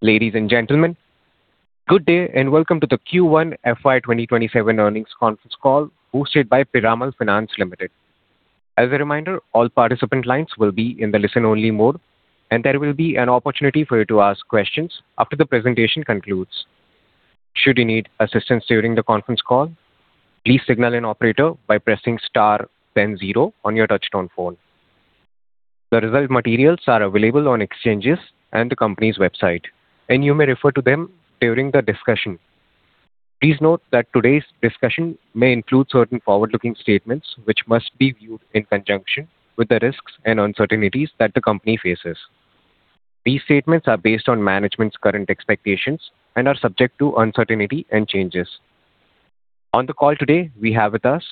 Ladies and gentlemen, good day, welcome to the Q1 FY 2027 earnings conference call hosted by Piramal Finance Limited. As a reminder, all participant lines will be in the listen-only mode, and there will be an opportunity for you to ask questions after the presentation concludes. Should you need assistance during the conference call, please signal an operator by pressing star then zero on your touchtone phone. The result materials are available on exchanges and the company's website, and you may refer to them during the discussion. Please note that today's discussion may include certain forward-looking statements, which must be viewed in conjunction with the risks and uncertainties that the company faces. These statements are based on management's current expectations and are subject to uncertainty and changes. On the call today, we have with us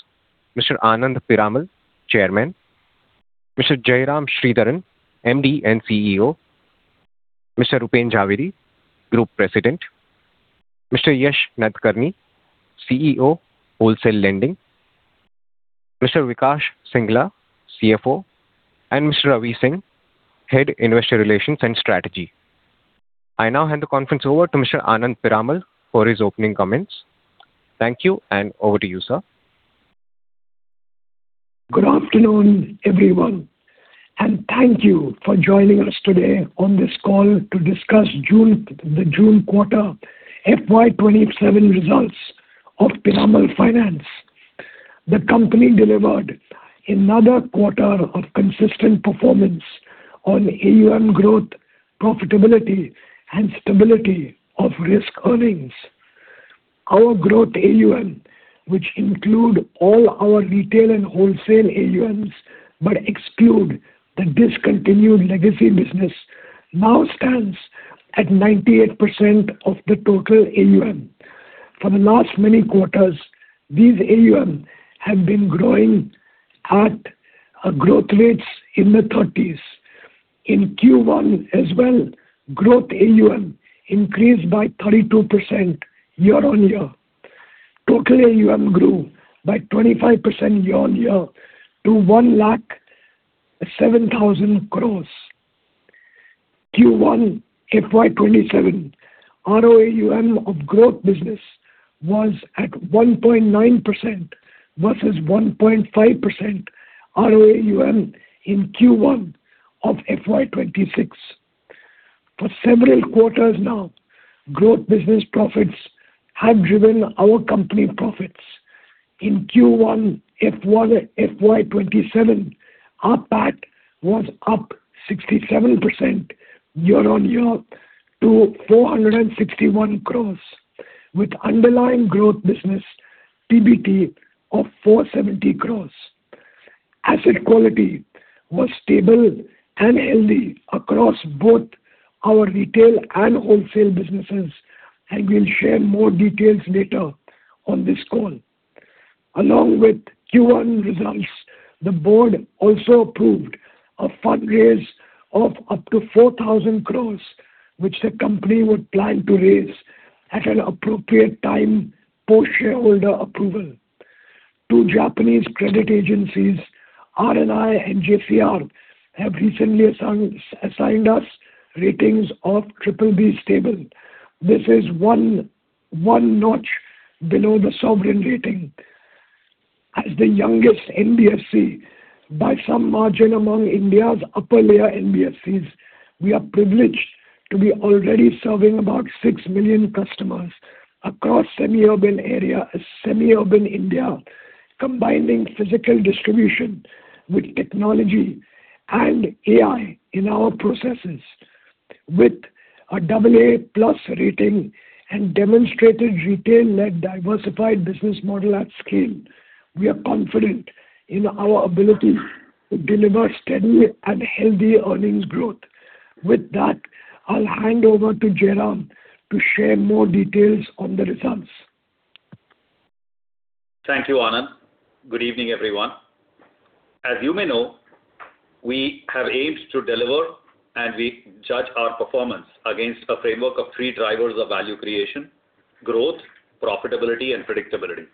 Mr. Anand Piramal, Chairman; Mr. Jairam Sridharan, MD & CEO; Mr. Rupen Jhaveri, Group President; Mr. Yesh Nadkarni, CEO, Wholesale Lending; Mr. Vikash Singhla, CFO; Mr. Ravi Singh, Head, Investor Relations and Strategy. I now hand the conference over to Mr. Anand Piramal for his opening comments. Thank you, and over to you, sir. Good afternoon, everyone, thank you for joining us today on this call to discuss the June quarter FY 2027 results of Piramal Finance. The company delivered another quarter of consistent performance on AUM growth, profitability, and stability of risk earnings. Our growth AUM, which include all our retail and wholesale AUMs but exclude the discontinued legacy business, now stands at 98% of the total AUM. For the last many quarters, these AUM have been growing at growth rates in the 30s. In Q1 as well, growth AUM increased by 32% year-on-year. Total AUM grew by 25% year-on-year to INR 107,000 crore. Q1 FY 2027 ROAUM of growth business was at 1.9% versus 1.5% ROAUM in Q1 of FY 2026. For several quarters now, growth business profits have driven our company profits. In Q1 FY 2027, our PAT was up 67% year-on-year to 461 crore, with underlying growth business PBT of 470 crore. Asset quality was stable and healthy across both our retail and wholesale businesses. I will share more details later on this call. Along with Q1 results, the board also approved a fund raise of up to 4,000 crore, which the company would plan to raise at an appropriate time for shareholder approval. Two Japanese credit agencies, R&I and JCR, have recently assigned us ratings of triple B stable. This is one notch below the sovereign rating. As the youngest NBFC by some margin among India's upper layer NBFCs, we are privileged to be already serving about 6 million customers across semi-urban India, combining physical distribution with technology and AI in our processes. With our AA+ rating and demonstrated retail-led diversified business model at scale, we are confident in our ability to deliver steady and healthy earnings growth. With that, I will hand over to Jairam to share more details on the results. Thank you, Anand. Good evening, everyone. As you may know, we have aimed to deliver and we judge our performance against a framework of three drivers of value creation: growth, profitability, and predictability.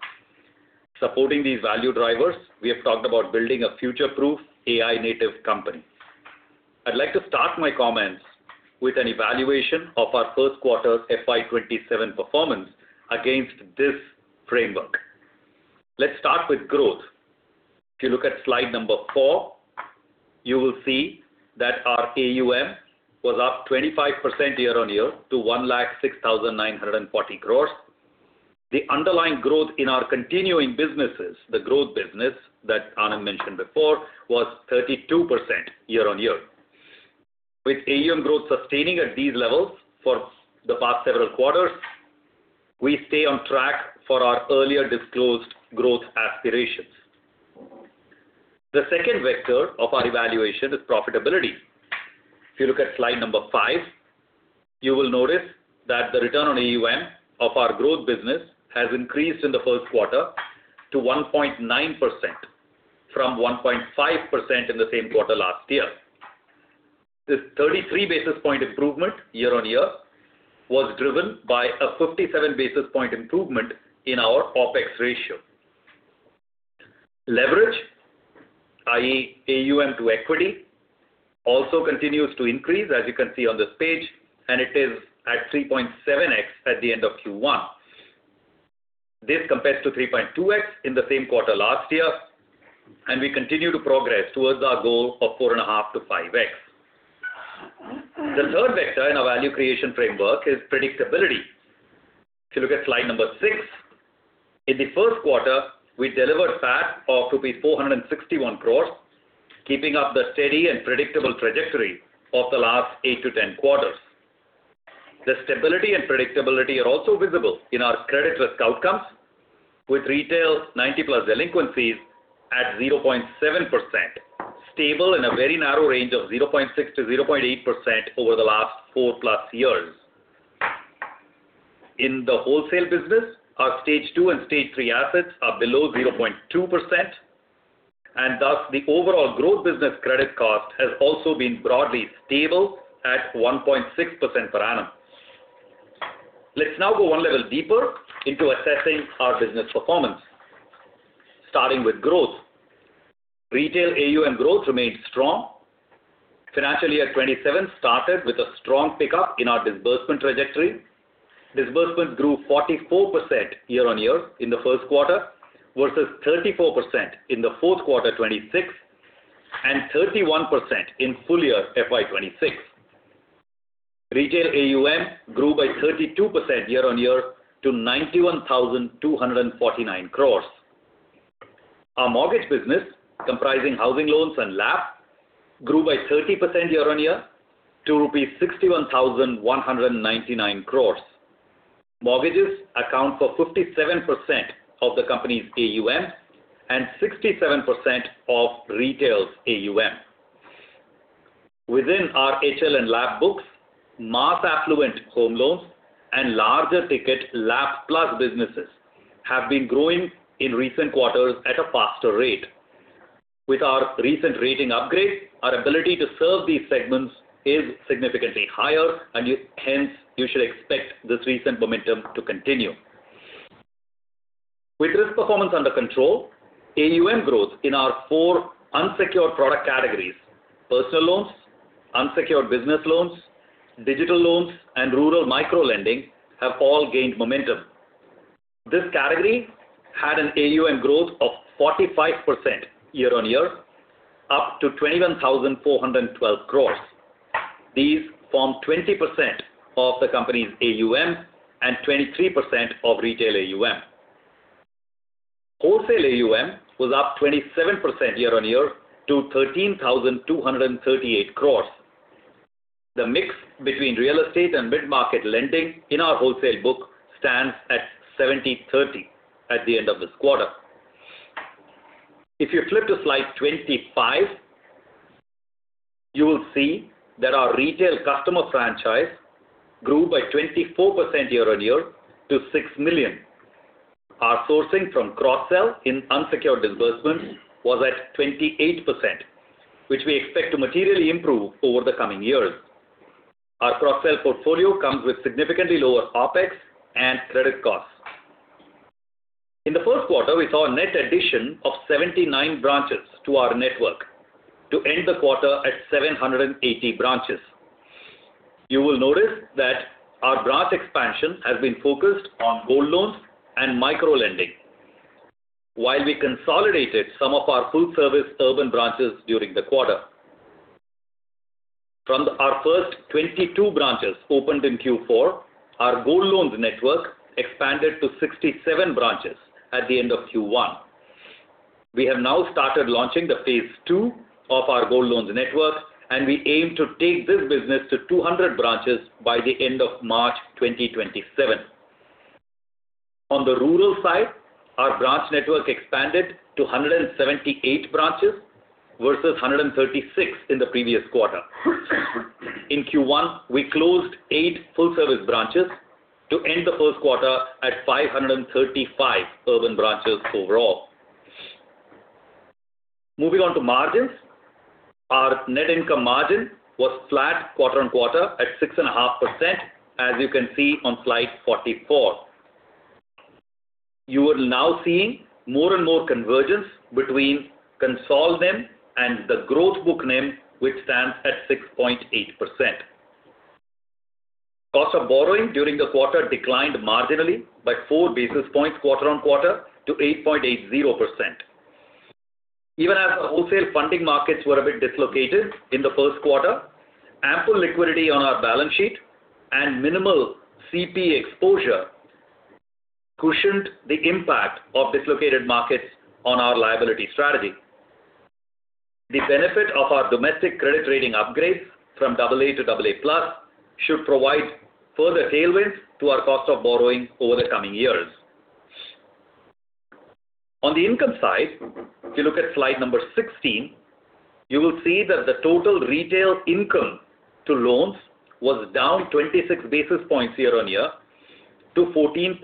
Supporting these value drivers, we have talked about building a future-proof AI native company. I would like to start my comments with an evaluation of our first quarter FY 2027 performance against this framework. Let us start with growth. If you look at slide number four, you will see that our AUM was up 25% year-on-year to 106,940 crores. The underlying growth in our continuing businesses, the growth business that Anand mentioned before, was 32% year-on-year. With AUM growth sustaining at these levels for the past several quarters, we stay on track for our earlier disclosed growth aspirations. The second vector of our evaluation is profitability. If you look at slide number five, you will notice that the return on AUM of our growth business has increased in the first quarter to 1.9% from 1.5% in the same quarter last year. This 33 basis point improvement year-on-year was driven by a 57 basis point improvement in our OPEX ratio. Leverage, i.e., AUM to equity, also continues to increase, as you can see on this page, and it is at 3.7x at the end of Q1. This compares to 3.2x in the same quarter last year, and we continue to progress towards our goal of 4.5-5x. The third vector in our value creation framework is predictability. If you look at slide number six, in the first quarter, we delivered PAT of 461 crores, keeping up the steady and predictable trajectory of the last 8-10 quarters. The stability and predictability are also visible in our credit risk outcomes, with retails 90+ delinquencies at 0.7%, stable in a very narrow range of 0.6%-0.8% over the last 4+ years. In the wholesale business, our stage two and stage three assets are below 0.2%, and thus the overall growth business credit cost has also been broadly stable at 1.6% per annum. Let us now go one level deeper into assessing our business performance. Starting with growth. Retail AUM growth remained strong. Financial year 2027 started with a strong pickup in our disbursement trajectory. Disbursement grew 44% year-on-year in the first quarter versus 34% in the fourth quarter 2026 and 31% in full year FY 2026. Retail AUM grew by 32% year-on-year to 91,249 crores. Our mortgage business, comprising housing loans and LAP, grew by 30% year-on-year to 61,199 crores. Mortgages account for 57% of the company's AUM and 67% of retail's AUM. Within our HL and LAP books, mass affluent home loans and larger ticket LAP-plus businesses have been growing in recent quarters at a faster rate. With our recent rating upgrade, our ability to serve these segments is significantly higher. Hence, you should expect this recent momentum to continue. With risk performance under control, AUM growth in our four unsecured product categories, personal loans, unsecured business loans, digital loans, and rural micro-lending have all gained momentum. This category had an AUM growth of 45% year-on-year up to 21,412 crore. These form 20% of the company's AUM and 23% of retail AUM. Wholesale AUM was up 27% year-on-year to 13,238 crore. The mix between real estate and mid-market lending in our wholesale book stands at 70/30 at the end of this quarter. If you flip to slide 25, you will see that our retail customer franchise grew by 24% year-on-year to 6 million. Our sourcing from cross-sell in unsecured disbursement was at 28%, which we expect to materially improve over the coming years. Our cross-sell portfolio comes with significantly lower OPEX and credit costs. In the first quarter, we saw a net addition of 79 branches to our network to end the quarter at 780 branches. You will notice that our branch expansion has been focused on gold loans and micro-lending while we consolidated some of our full-service urban branches during the quarter. From our first 22 branches opened in Q4, our gold loans network expanded to 67 branches at the end of Q1. We have now started launching phase two of our gold loans network. We aim to take this business to 200 branches by the end of March 2027. On the rural side, our branch network expanded to 178 branches versus 136 in the previous quarter. In Q1, we closed eight full-service branches to end the first quarter at 535 urban branches overall. Moving on to margins. Our net income margin was flat quarter-on-quarter at 6.5%, as you can see on slide 44. You are now seeing more and more convergence between consolidated and the growth book NIM, which stands at 6.8%. Cost of borrowing during the quarter declined marginally by four basis points quarter-on-quarter to 8.80%. Even as the wholesale funding markets were a bit dislocated in the first quarter, ample liquidity on our balance sheet and minimal CP exposure cushioned the impact of dislocated markets on our liability strategy. The benefit of our domestic credit rating upgrade from AA to AA plus should provide further tailwinds to our cost of borrowing over the coming years. On the income side, if you look at slide number 16, you will see that the total retail income to loans was down 26 basis points year-on-year to 14.7%.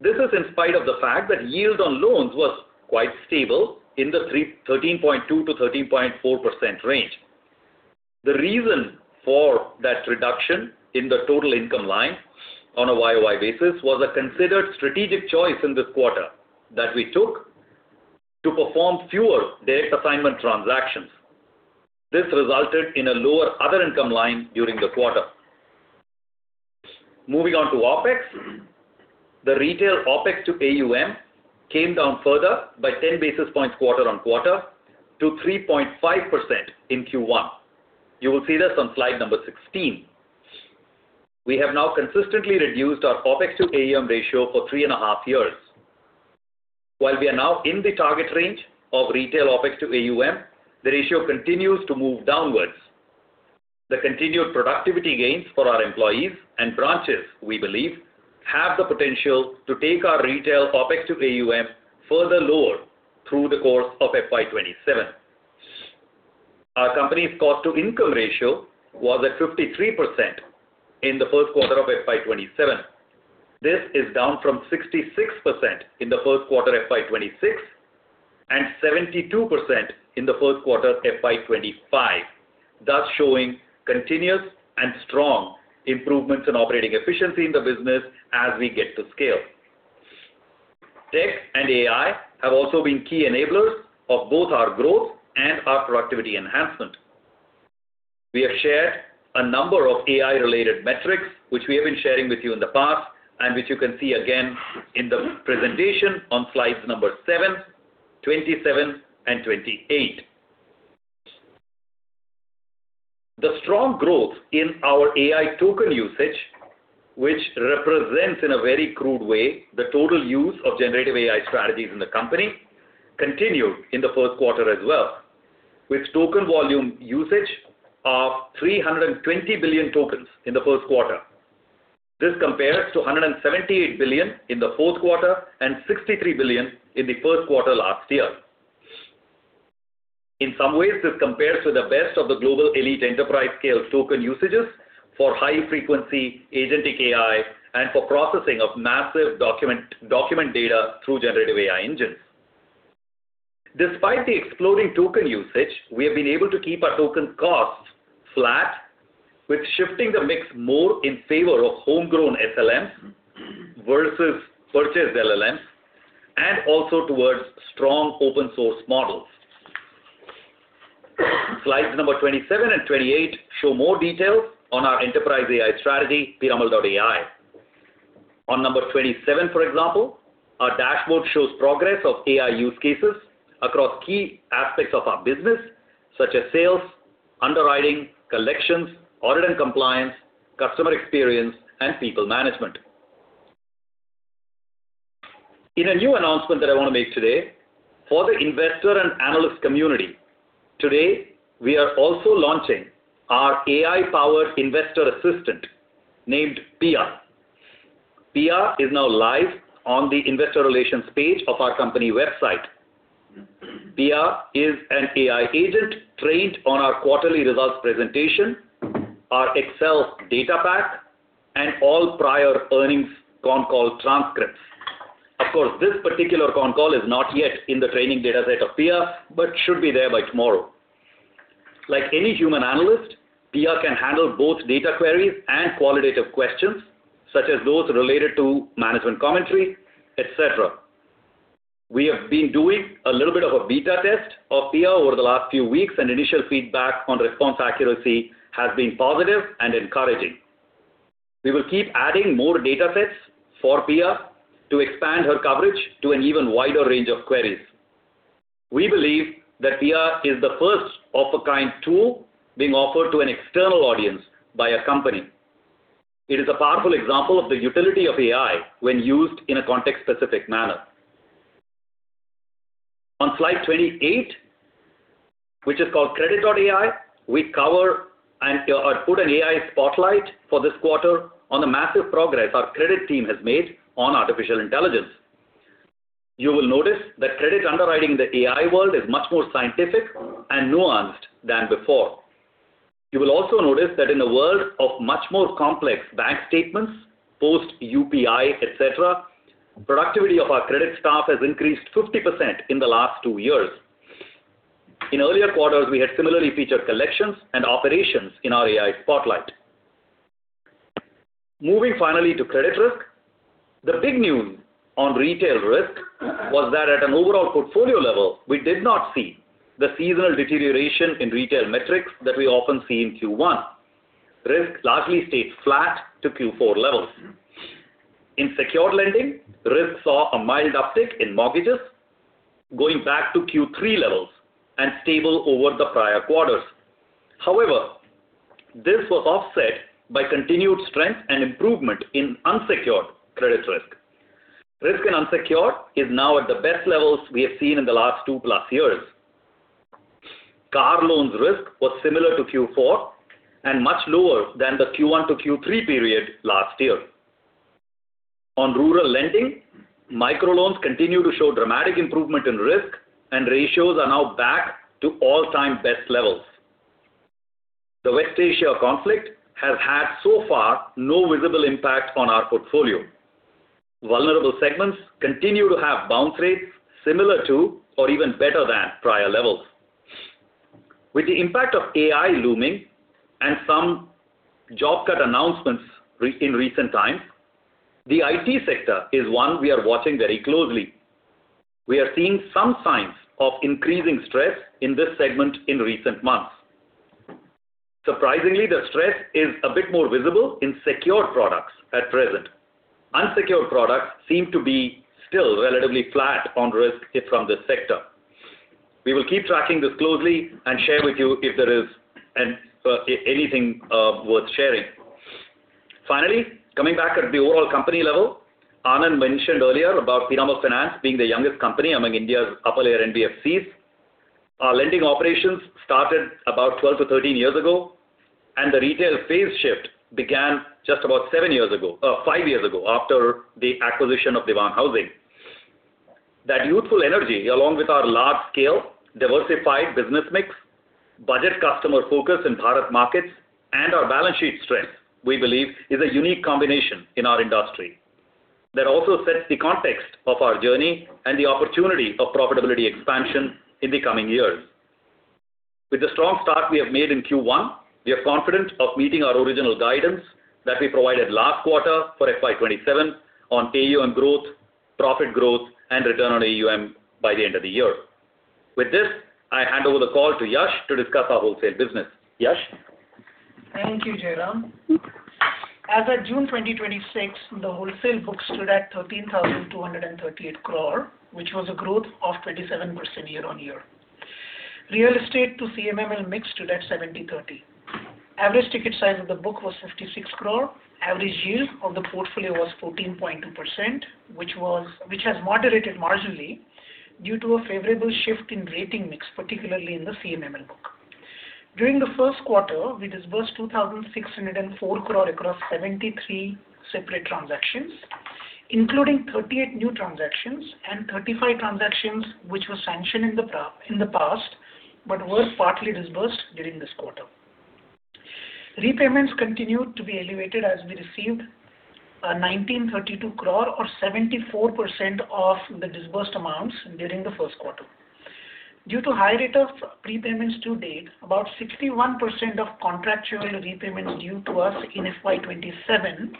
This is in spite of the fact that yield on loans was quite stable in the 13.2%-13.4% range. The reason for that reduction in the total income line on a YoY basis was a considered strategic choice in this quarter that we took to perform fewer debt assignment transactions. This resulted in a lower other income line during the quarter. Moving on to OpEx. The retail OpEx to AUM came down further by 10 basis points quarter-on-quarter to 3.5% in Q1. You will see this on slide 16. We have now consistently reduced our OpEx to AUM ratio for three and a half years. While we are now in the target range of retail OpEx to AUM, the ratio continues to move downwards. The continued productivity gains for our employees and branches, we believe, have the potential to take our retail OpEx to AUM further lower through the course of FY 2027. Our company's cost to income ratio was at 53% in the first quarter of FY 2027. This is down from 66% in the first quarter FY 2026 and 72% in the first quarter FY 2025, thus showing continuous and strong improvements in operating efficiency in the business as we get to scale. Tech and AI have also been key enablers of both our growth and our productivity enhancement. We have shared a number of AI-related metrics, which we have been sharing with you in the past and which you can see again in the presentation on slides seven, 27, and 28. The strong growth in our AI token usage, which represents, in a very crude way, the total use of generative AI strategies in the company, continued in the first quarter as well, with token volume usage of 320 billion tokens in the first quarter. This compares to 178 billion in the fourth quarter and 63 billion in the first quarter last year. In some ways, this compares to the best of the global elite enterprise scale token usages for high frequency agentic AI and for processing of massive document data through generative AI engines. Despite the exploding token usage, we have been able to keep our token costs flat with shifting the mix more in favor of homegrown SLMs versus purchased LLMs and also towards strong open source models. Slides 27 and 28 show more details on our enterprise AI strategy, piramal.ai. On 27, for example, our dashboard shows progress of AI use cases across key aspects of our business such as sales, underwriting, collections, audit and compliance, customer experience, and people management. In a new announcement that I want to make today, for the investor and analyst community, today, we are also launching our AI-powered investor assistant named Pia. Pia is now live on the investor relations page of our company website. Pia is an AI agent trained on our quarterly results presentation, our Excel data pack, and all prior earnings con call transcripts. Of course, this particular con call is not yet in the training dataset of Pia, but should be there by tomorrow. Like any human analyst, Pia can handle both data queries and qualitative questions such as those related to management commentary, et cetera. We have been doing a little bit of a beta test of Pia over the last few weeks, and initial feedback on response accuracy has been positive and encouraging. We will keep adding more datasets for Pia to expand her coverage to an even wider range of queries. We believe that Pia is the first of a kind tool being offered to an external audience by a company. It is a powerful example of the utility of AI when used in a context-specific manner. On slide 28, which is called credit.ai, we cover and put an AI spotlight for this quarter on the massive progress our credit team has made on artificial intelligence. You will notice that credit underwriting in the AI world is much more scientific and nuanced than before. You will also notice that in a world of much more complex bank statements, post UPI, et cetera, productivity of our credit staff has increased 50% in the last two years. In earlier quarters, we had similarly featured collections and operations in our AI spotlight. Moving finally to credit risk. The big news on retail risk was that at an overall portfolio level, we did not see the seasonal deterioration in retail metrics that we often see in Q1. Risk largely stayed flat to Q4 levels. In secured lending, risk saw a mild uptick in mortgages going back to Q3 levels and stable over the prior quarters. This was offset by continued strength and improvement in unsecured credit risk. Risk and unsecured is now at the best levels we have seen in the last two plus years. Car loans risk was similar to Q4 and much lower than the Q1 to Q3 period last year. On rural lending, microloans continue to show dramatic improvement in risk and ratios are now back to all-time best levels. The West Asia conflict has had so far no visible impact on our portfolio. Vulnerable segments continue to have bounce rates similar to or even better than prior levels. With the impact of AI looming and some job cut announcements in recent times, the IT sector is one we are watching very closely. We are seeing some signs of increasing stress in this segment in recent months. Surprisingly, the stress is a bit more visible in secured products at present. Unsecured products seem to be still relatively flat on risk from this sector. We will keep tracking this closely and share with you if there is anything worth sharing. Finally, coming back at the overall company level, Anand mentioned earlier about Piramal Finance being the youngest company among India's upper-layer NBFCs. Our lending operations started about 12-13 years ago, and the retail phase shift began just about five years ago after the acquisition of Dewan Housing. That youthful energy, along with our large-scale diversified business mix, budget customer focus in Bharat markets, and our balance sheet strength, we believe, is a unique combination in our industry. That also sets the context of our journey and the opportunity of profitability expansion in the coming years. With the strong start we have made in Q1, we are confident of meeting our original guidance that we provided last quarter for FY 2027 on AUM growth, profit growth, and return on AUM by the end of the year. With this, I hand over the call to Yesh to discuss our wholesale business. Yesh? Thank you, Jairam. As at June 2026, the wholesale book stood at 13,238 crore, which was a growth of 27% year-on-year. Real estate to CMML mix stood at 70/30. Average ticket size of the book was 56 crore. Average yield of the portfolio was 14.2%, which has moderated marginally due to a favorable shift in rating mix, particularly in the CMML book. During the first quarter, we disbursed 2,604 crore across 73 separate transactions, including 38 new transactions and 35 transactions, which were sanctioned in the past but were partly disbursed during this quarter. Repayments continued to be elevated as we received 1,932 crore or 74% of the disbursed amounts during the first quarter. Due to high rate of prepayments to date, about 61% of contractual repayments due to us in FY 2027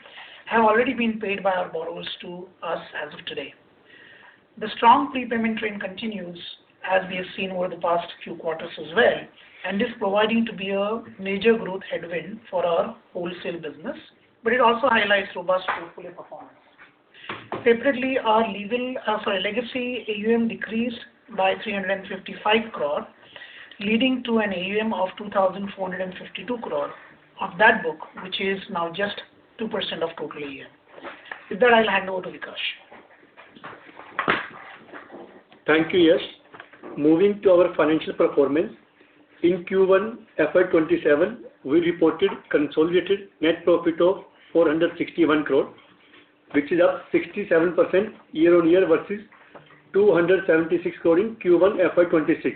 have already been paid by our borrowers to us as of today. The strong prepayment trend continues, as we have seen over the past few quarters as well, and is proving to be a major growth headwind for our wholesale business, but it also highlights robust portfolio performance. Separately, our legacy AUM decreased by 355 crore, leading to an AUM of 2,452 crore of that book, which is now just 2% of total AUM. With that, I will hand over to Vikash. Thank you, Yesh. Moving to our financial performance. In Q1 FY 2027, we reported consolidated net profit of 461 crore, which is up 67% year-on-year versus 276 crore in Q1 FY 2026.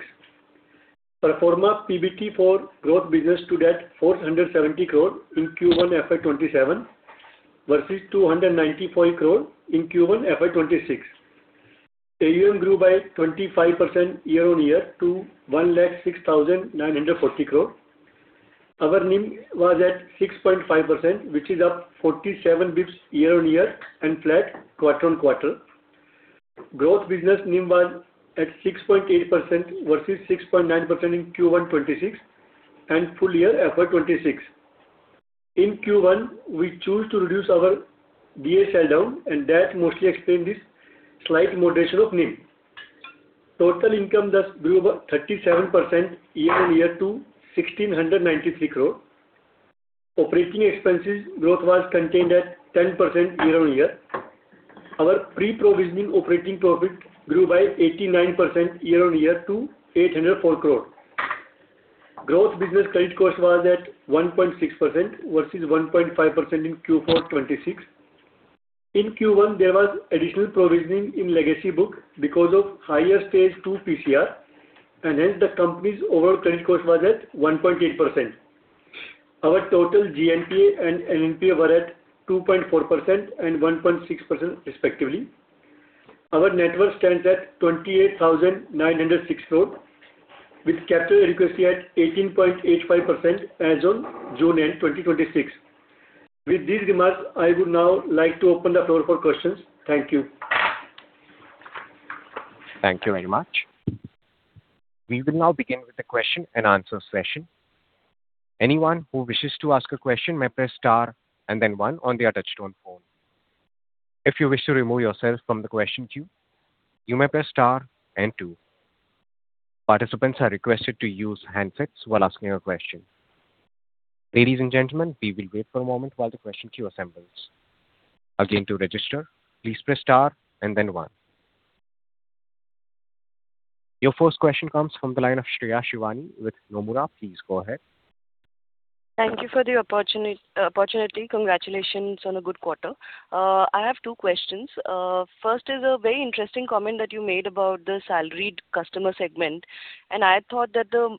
Pro forma PBT for growth business stood at 470 crore in Q1 FY 2027 versus 295 crore in Q1 FY 2026. AUM grew by 25% year-on-year to 106,940 crore. Our NIM was at 6.5%, which is up 47 basis points year-on-year and flat quarter-on-quarter. Growth business NIM was at 6.8% versus 6.9% in Q1 FY 2026 and full year 2026. In Q1, we chose to reduce our DA sell-down, and that mostly explained this slight moderation of NIM. Total income thus grew about 37% year-on-year to 1,693 crore. Operating expenses growth was contained at 10% year-on-year. Our pre-provision operating profit grew by 89% year-on-year to 804 crore. Growth business credit cost was at 1.6% versus 1.5% in Q4 FY 2026. In Q1, there was additional provisioning in legacy book because of higher Stage 2 PCR, and hence the company's overall credit cost was at 1.8%. Our total GNPA and NPA were at 2.4% and 1.6% respectively. Our net worth stands at 28,906 crore with capital adequacy at 18.85% as on June end 2026. With these remarks, I would now like to open the floor for questions. Thank you. Thank you very much. We will now begin with the question and answer session. Anyone who wishes to ask a question may press star and then one on their touch-tone phone. If you wish to remove yourself from the question queue, you may press star and two. Participants are requested to use handsets while asking a question. Ladies and gentlemen, we will wait for a moment while the question queue assembles. Again, to register, please press star and then one. Your first question comes from the line of Shreya Shivani with Nomura. Please go ahead. Thank you for the opportunity. Congratulations on a good quarter. I have two questions. First is a very interesting comment that you made about the salaried customer segment. I thought that the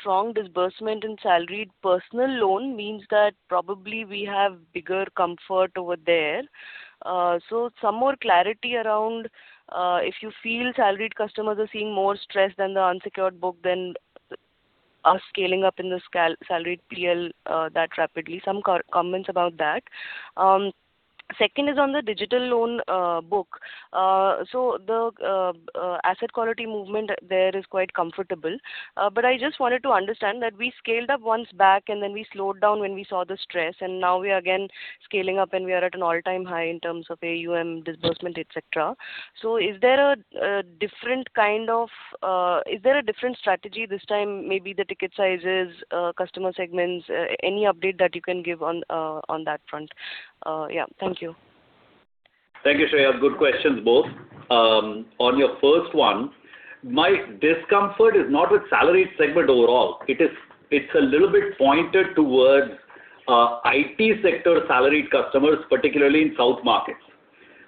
strong disbursement in salaried personal loan means that probably we have bigger comfort over there. Some more clarity around if you feel salaried customers are seeing more stress than the unsecured book, are scaling up in the salaried PL that rapidly. Some comments about that. Second is on the digital loan book. The asset quality movement there is quite comfortable. I just wanted to understand that we scaled up once back, and then we slowed down when we saw the stress, and now we are again scaling up, and we are at an all-time high in terms of AUM disbursement, et cetera. Is there a different strategy this time? Maybe the ticket sizes, customer segments, any update that you can give on that front? Yeah. Thank you. Thank you, Shreya. Good questions, both. On your first one, my discomfort is not with salaried segment overall. It's a little bit pointed towards IT sector salaried customers, particularly in south markets.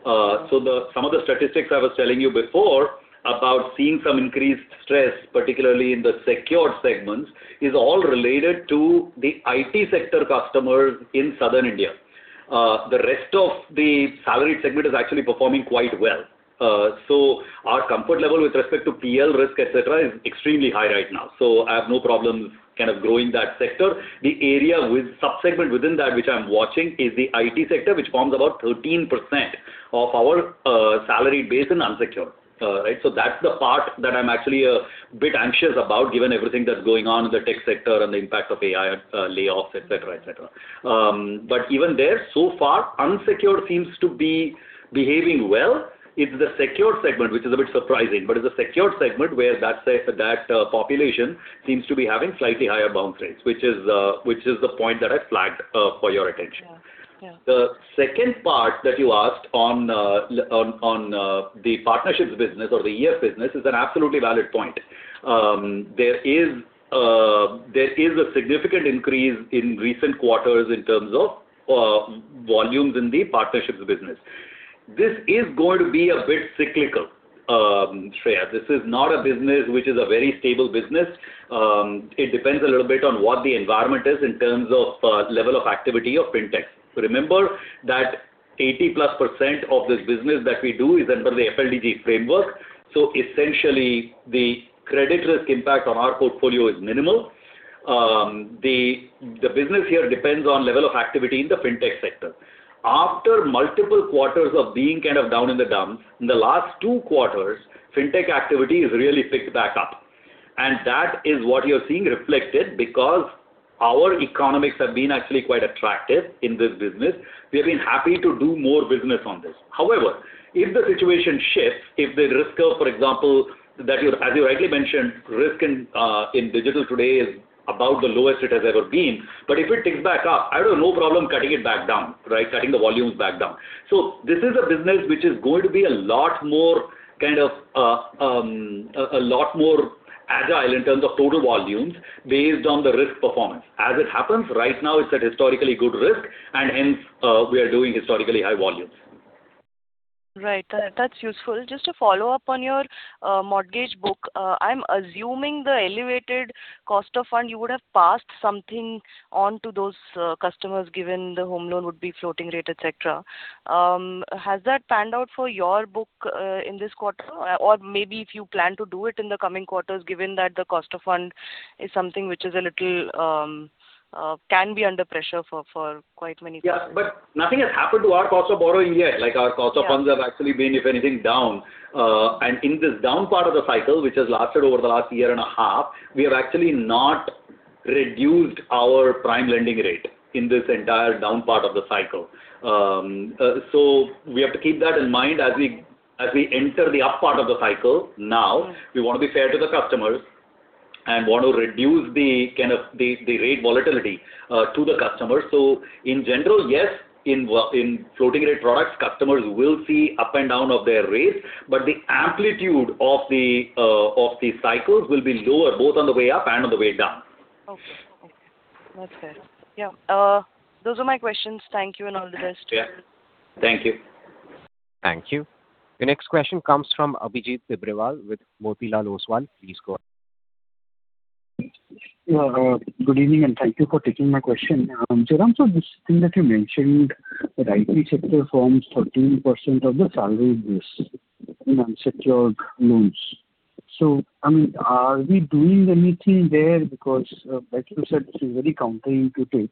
Some of the statistics I was telling you before about seeing some increased stress, particularly in the secured segments, is all related to the IT sector customers in Southern India. The rest of the salaried segment is actually performing quite well. Our comfort level with respect to PL risk, et cetera, is extremely high right now. I have no problem kind of growing that sector. The area with sub-segment within that which I'm watching is the IT sector, which forms about 13% of our salary base in unsecured. That's the part that I'm actually a bit anxious about given everything that's going on in the tech sector and the impact of AI layoffs, et cetera. Even there, so far, unsecured seems to be behaving well. It's the secured segment, which is a bit surprising, but it's the secured segment where that population seems to be having slightly higher bounce rates, which is the point that I flagged for your attention. Yeah. The second part that you asked on the partnerships business or the EF business is an absolutely valid point. There is a significant increase in recent quarters in terms of volumes in the partnerships business. This is going to be a bit cyclical, Shreya. This is not a business which is a very stable business. It depends a little bit on what the environment is in terms of level of activity of fintech. Remember that 80%+ of this business that we do is under the FLDG framework. Essentially, the credit risk impact on our portfolio is minimal. The business here depends on level of activity in the fintech sector. After multiple quarters of being kind of down in the dumps, in the last two quarters, fintech activity has really picked back up. That is what you're seeing reflected because our economics have been actually quite attractive in this business. We've been happy to do more business on this. However, if the situation shifts, if the risk curve, for example, as you rightly mentioned, risk in digital today is about the lowest it has ever been. If it ticks back up, I have no problem cutting it back down. Cutting the volumes back down. This is a business which is going to be a lot more agile in terms of total volumes based on the risk performance. As it happens, right now it's at historically good risk, and hence we are doing historically high volumes. Right. That's useful. Just to follow up on your mortgage book, I'm assuming the elevated cost of fund, you would have passed something on to those customers given the home loan would be floating rate, et cetera. Has that panned out for your book in this quarter? Or maybe if you plan to do it in the coming quarters, given that the cost of fund can be under pressure for quite many quarters. Yeah. Nothing has happened to our cost of borrowing yet. Our cost of funds have actually been, if anything, down. In this down part of the cycle, which has lasted over the last year and a half, we have actually not reduced our prime lending rate in this entire down part of the cycle. We have to keep that in mind as we enter the up part of the cycle now. We want to be fair to the customers and want to reduce the rate volatility to the customers. In general, yes, in floating rate products, customers will see up and down of their rates, but the amplitude of the cycles will be lower, both on the way up and on the way down. Okay. That's fair. Yeah. Those are my questions. Thank you and all the best. Yeah. Thank you. Thank you. The next question comes from Abhijit Tibrewal with Motilal Oswal. Please go ahead. Good evening, thank you for taking my question. Jairam, this thing that you mentioned that IT sector forms 13% of the salaried risk in unsecured loans. Are we doing anything there? Because like you said, this is very counterintuitive.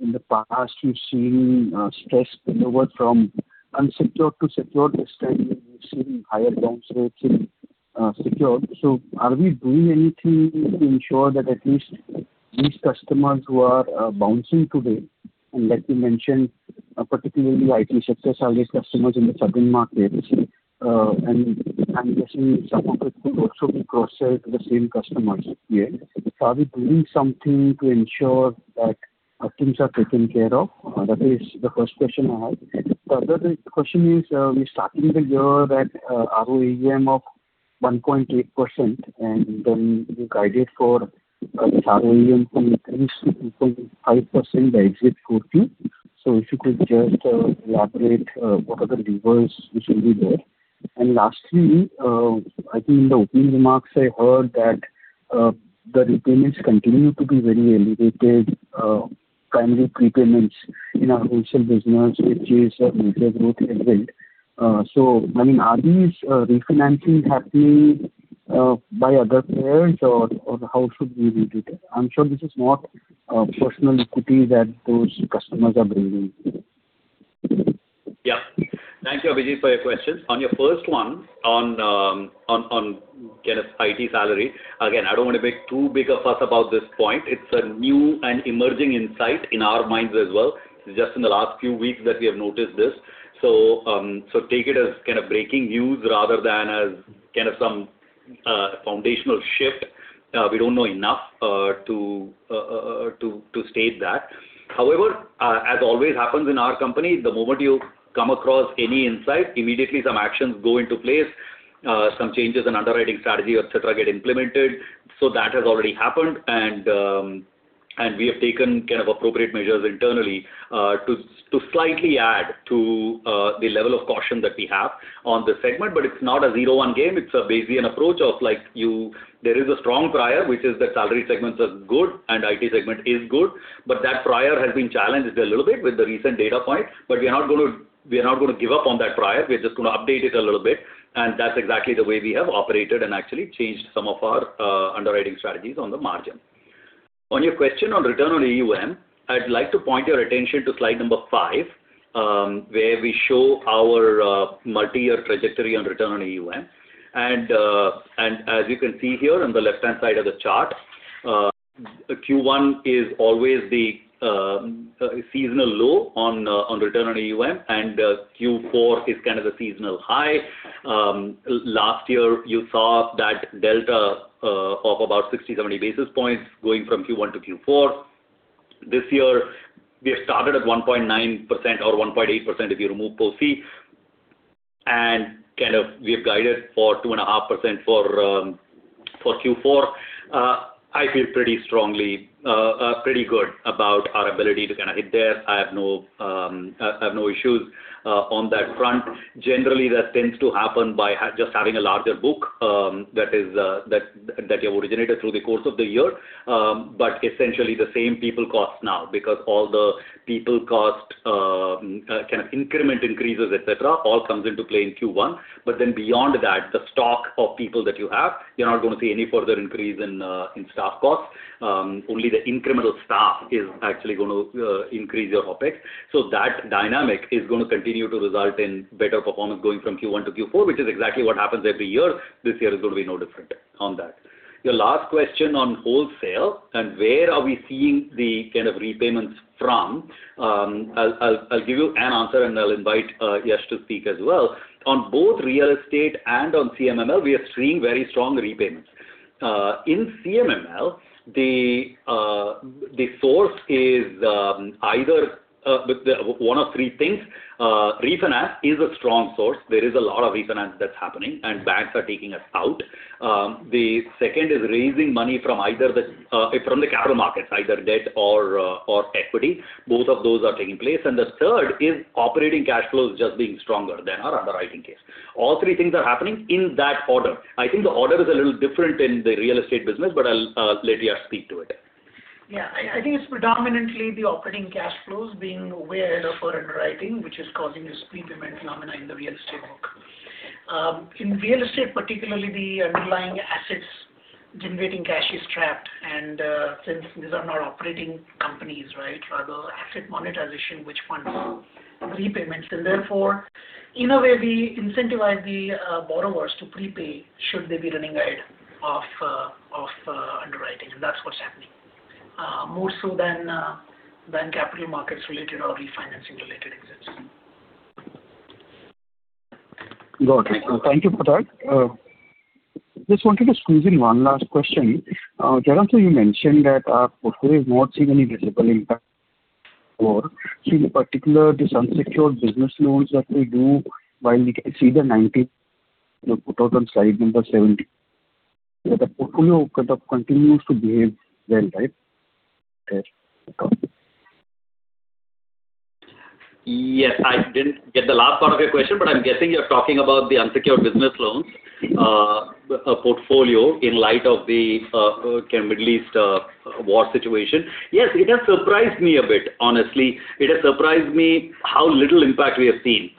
In the past, we've seen stress spill over from unsecured to secured. This time, we're seeing higher bounce rates in secured. Are we doing anything to ensure that at least these customers who are bouncing today, and like you mentioned, particularly IT sector salaried customers in the southern market, and I'm guessing some of it will also be cross-sell to the same customers here. Are we doing something to ensure that things are taken care of? That is the first question I have. The other question is, we started the year at ROAUM of 1.8%, then you guided for AUM to increase to 5% by exit Q2. If you could just elaborate what are the levers which will be there. Lastly, I think in the opening remarks, I heard that the repayments continue to be very elevated, primary prepayments in our wholesale business, which is a major growth event. Are these refinancings happening by other players or how should we read it? I'm sure this is not personal equity that those customers are bringing. Thank you, Abhijit, for your questions. On your first one, on IT salary. Again, I don't want to make too big a fuss about this point. It's a new and emerging insight in our minds as well. This is just in the last few weeks that we have noticed this. Take it as breaking news rather than as some foundational shift. We don't know enough to state that. However, as always happens in our company, the moment you come across any insight, immediately some actions go into place, some changes in underwriting strategy, et cetera, get implemented. That has already happened and we have taken appropriate measures internally to slightly add to the level of caution that we have on this segment. It's not a zero one game. It's a Bayesian approach of there is a strong prior, which is that salary segments are good and IT segment is good, but that prior has been challenged a little bit with the recent data point. We're not going to give up on that prior. We're just going to update it a little bit, and that's exactly the way we have operated and actually changed some of our underwriting strategies on the margin. On your question on return on AUM, I'd like to point your attention to slide number five, where we show our multi-year trajectory on return on AUM. As you can see here on the left-hand side of the chart, Q1 is always the seasonal low on return on AUM and Q4 is a seasonal high. Last year, you saw that delta of about 60, 70 basis points going from Q1 to Q4. This year, we have started at 1.9% or 1.8% if you remove post fee and we have guided for 2.5% for Q4. I feel pretty good about our ability to hit there. I have no issues on that front. Generally, that tends to happen by just having a larger book that you have originated through the course of the year. Essentially the same people cost now because all the people cost increment increases, et cetera, all comes into play in Q1. Beyond that, the stock of people that you have, you're not going to see any further increase in staff costs. Only the incremental staff is actually going to increase your OpEx. That dynamic is going to continue to result in better performance going from Q1 to Q4, which is exactly what happens every year. This year is going to be no different on that. Your last question on wholesale and where are we seeing the kind of repayments from. I'll give you an answer and I'll invite Yesh to speak as well. On both real estate and on CMML, we are seeing very strong repayments. In CMML, the source is either one of three things. Refinance is a strong source. There is a lot of refinance that's happening and banks are taking us out. The second is raising money from the capital markets, either debt or equity. Both of those are taking place. The third is operating cash flows just being stronger than our underwriting case. All three things are happening in that order. I think the order is a little different in the real estate business, but I'll let Yesh speak to it. Yeah. I think it's predominantly the operating cash flows being way ahead of our underwriting, which is causing this prepayment phenomena in the real estate book. In real estate particularly, the underlying assets generating cash is trapped and since these are not operating companies, right? Rather asset monetization which funds repayments and therefore in a way we incentivize the borrowers to prepay should they be running ahead of underwriting and that's what's happening. More so than capital markets related or refinancing related exits. Got it. Thank you for that. Just wanted to squeeze in one last question. Jairam, you mentioned that our portfolio is not seeing any visible impact for in particular this unsecured business loans that we do while we can see the 90, you put out on slide number 70. The portfolio kind of continues to behave well, right? Yes. I didn't get the last part of your question, but I'm guessing you're talking about the unsecured business loans portfolio in light of the Middle East war situation. Yes, it has surprised me a bit, honestly. It has surprised me how little impact we have seen.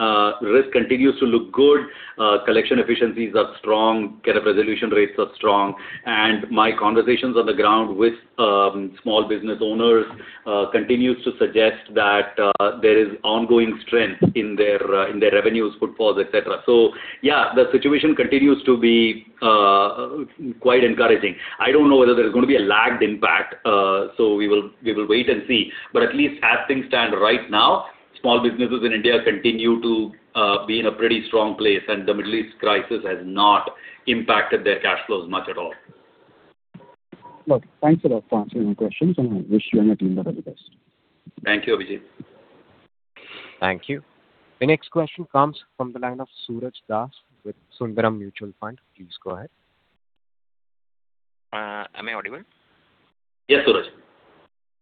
Risk continues to look good. Collection efficiencies are strong. Resolution rates are strong and my conversations on the ground with small business owners continues to suggest that there is ongoing strength in their revenues, footfalls, et cetera. Yeah, the situation continues to be quite encouraging. I don't know whether there's going to be a lagged impact. We will wait and see, but at least as things stand right now, small businesses in India continue to be in a pretty strong place and the Middle East crisis has not impacted their cash flows much at all. Okay. Thanks a lot for answering my questions, and I wish you and your team the very best. Thank you, Abhijit. Thank you. The next question comes from the line of Suraj Das with Sundaram Mutual Fund. Please go ahead. Am I audible? Yes, Suraj.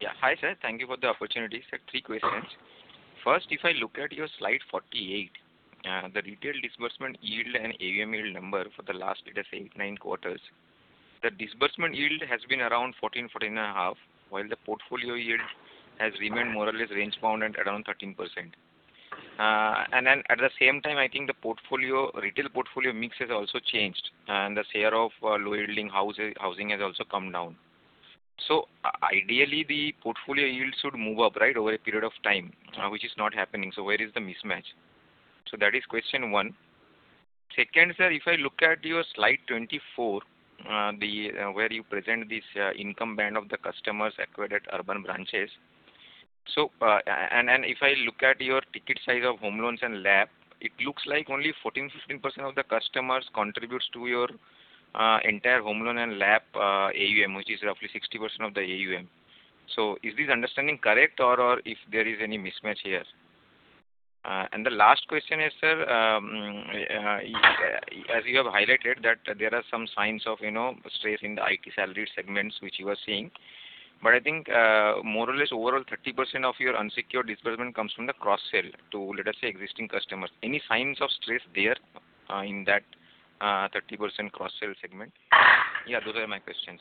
Yeah. Hi, Sir. Thank you for the opportunity. Sir, three questions. First, if I look at your slide 48, the retail disbursement yield and AUM yield number for the last, let us say, eight, nine quarters. The disbursement yield has been around 14 and a half, while the portfolio yield has remained more or less range-bound at around 13%. At the same time, I think the retail portfolio mix has also changed, and the share of low-yielding housing has also come down. Ideally, the portfolio yield should move up over a period of time, which is not happening. Where is the mismatch? That is question one. Second, Sir, if I look at your slide 24, where you present this income band of the customers acquired at urban branches. If I look at your ticket size of home loans and LAP, it looks like only 14%, 15% of the customers contributes to your entire home loan and LAP AUM, which is roughly 60% of the AUM. Is this understanding correct, or if there is any mismatch here? The last question is, Sir, as you have highlighted that there are some signs of stress in the IT salaried segments, which you are seeing. I think more or less overall 30% of your unsecured disbursement comes from the cross-sell to, let us say, existing customers. Any signs of stress there in that 30% cross-sell segment? Yeah, those are my questions.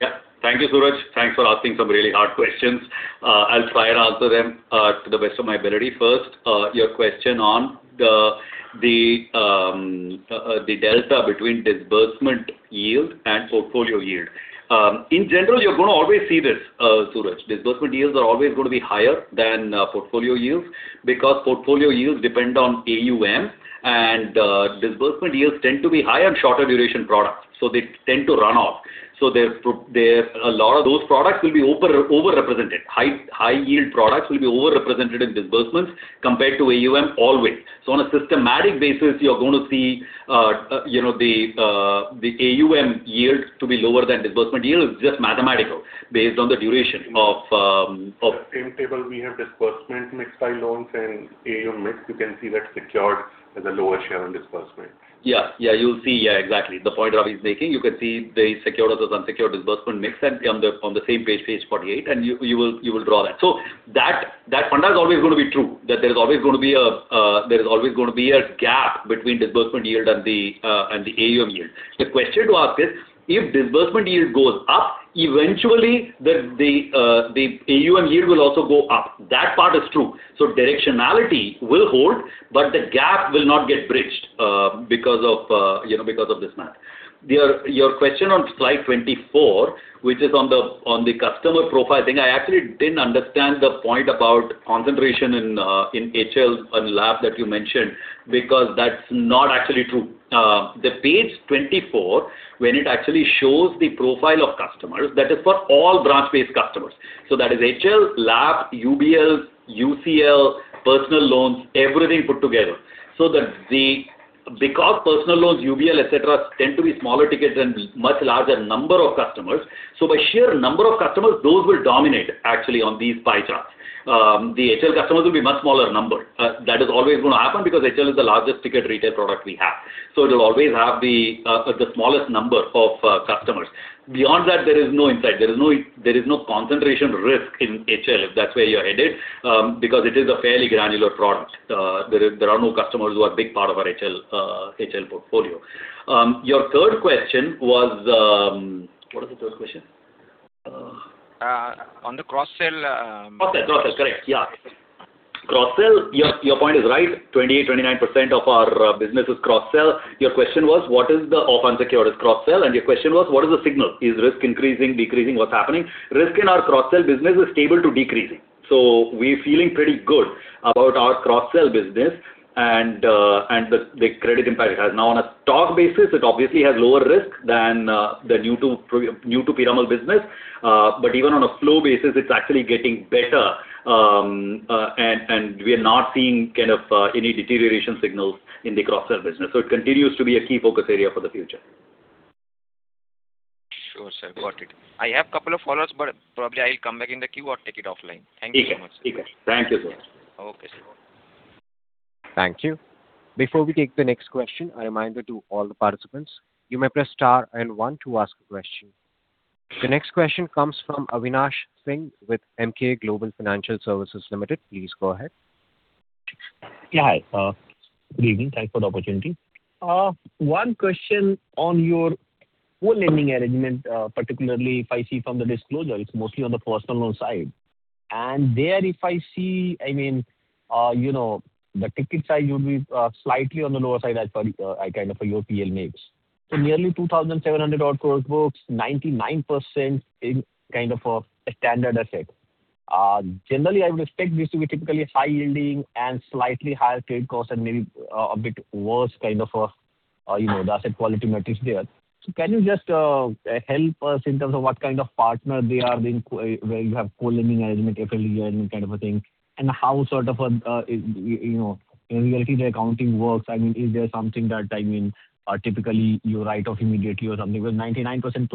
Yeah. Thank you, Suraj. Thanks for asking some really hard questions. I'll try and answer them to the best of my ability. First, your question on the delta between disbursement yield and portfolio yield. In general, you're going to always see this, Suraj. Disbursement yields are always going to be higher than portfolio yields because portfolio yields depend on AUM, and disbursement yields tend to be high on shorter duration products. They tend to run off. A lot of those products will be overrepresented. High yield products will be overrepresented in disbursements compared to AUM always. On a systematic basis, you're going to see the AUM yield to be lower than disbursement yield. It's just mathematical based on the duration. In the same table we have disbursement mixed by loans and AUM mix. You can see that secured has a lower share on disbursement. You'll see. The point Ravi's making, you can see the secured versus unsecured disbursement mix on the same page 48, you will draw that. That fundamental is always going to be true, that there is always going to be a gap between disbursement yield and the AUM yield. The question to ask is, if disbursement yield goes up, eventually the AUM yield will also go up. That part is true. Directionality will hold, but the gap will not get bridged because of this math. Your question on slide 24, which is on the customer profile thing. I actually didn't understand the point about concentration in HL and LAP that you mentioned because that's not actually true. The page 24, when it actually shows the profile of customers, that is for all branch-based customers. That is HL, LAP, UBL, UCL, personal loans, everything put together. Personal loans, UBL, et cetera, tend to be smaller tickets and much larger number of customers, by sheer number of customers, those will dominate actually on these pie charts. The HL customers will be much smaller number. That is always going to happen because HL is the largest ticket retail product we have. It will always have the smallest number of customers. Beyond that, there is no insight. There is no concentration risk in HL, if that's where you're headed, because it is a fairly granular product. There are no customers who are big part of our HL portfolio. Your third question was What was the third question? On the cross-sell. Cross-sell. Cross-sell. Correct. Yeah. Cross-sell, your point is right, 28%-29% of our business is cross-sell. Your question was, what is the of unsecured cross-sell, and your question was, what is the signal? Is risk increasing, decreasing? What's happening? Risk in our cross-sell business is stable to decreasing. We're feeling pretty good about our cross-sell business and the credit impact it has. Now, on a stock basis, it obviously has lower risk than the new to Piramal business. Even on a flow basis, it's actually getting better, and we are not seeing any deterioration signals in the cross-sell business. It continues to be a key focus area for the future. Sure, sir. Got it. I have couple of follow-ups, probably I'll come back in the queue or take it offline. Thank you so much, sir. Thank you, Suraj. Okay, sir. Thank you. Before we take the next question, a reminder to all the participants. You may press star and one to ask a question. The next question comes from Avinash Singh with Emkay Global Financial Services Limited. Please go ahead. Yeah, hi. Good evening. Thanks for the opportunity. One question on your whole lending arrangement, particularly if I see from the disclosure, it's mostly on the personal loan side. There if I see, the ticket size will be slightly on the lower side as per your PL mix. Nearly 2,700 odd gross books, 99% in a standard asset. Generally, I would expect this to be typically high yielding and slightly higher trade cost and maybe a bit worse the asset quality metrics there. Can you just help us in terms of what kind of partner they are where you have co-lending arrangement, FLDG kind of a thing, and how in reality the accounting works? Is there something that typically you write off immediately or something? Because 99%+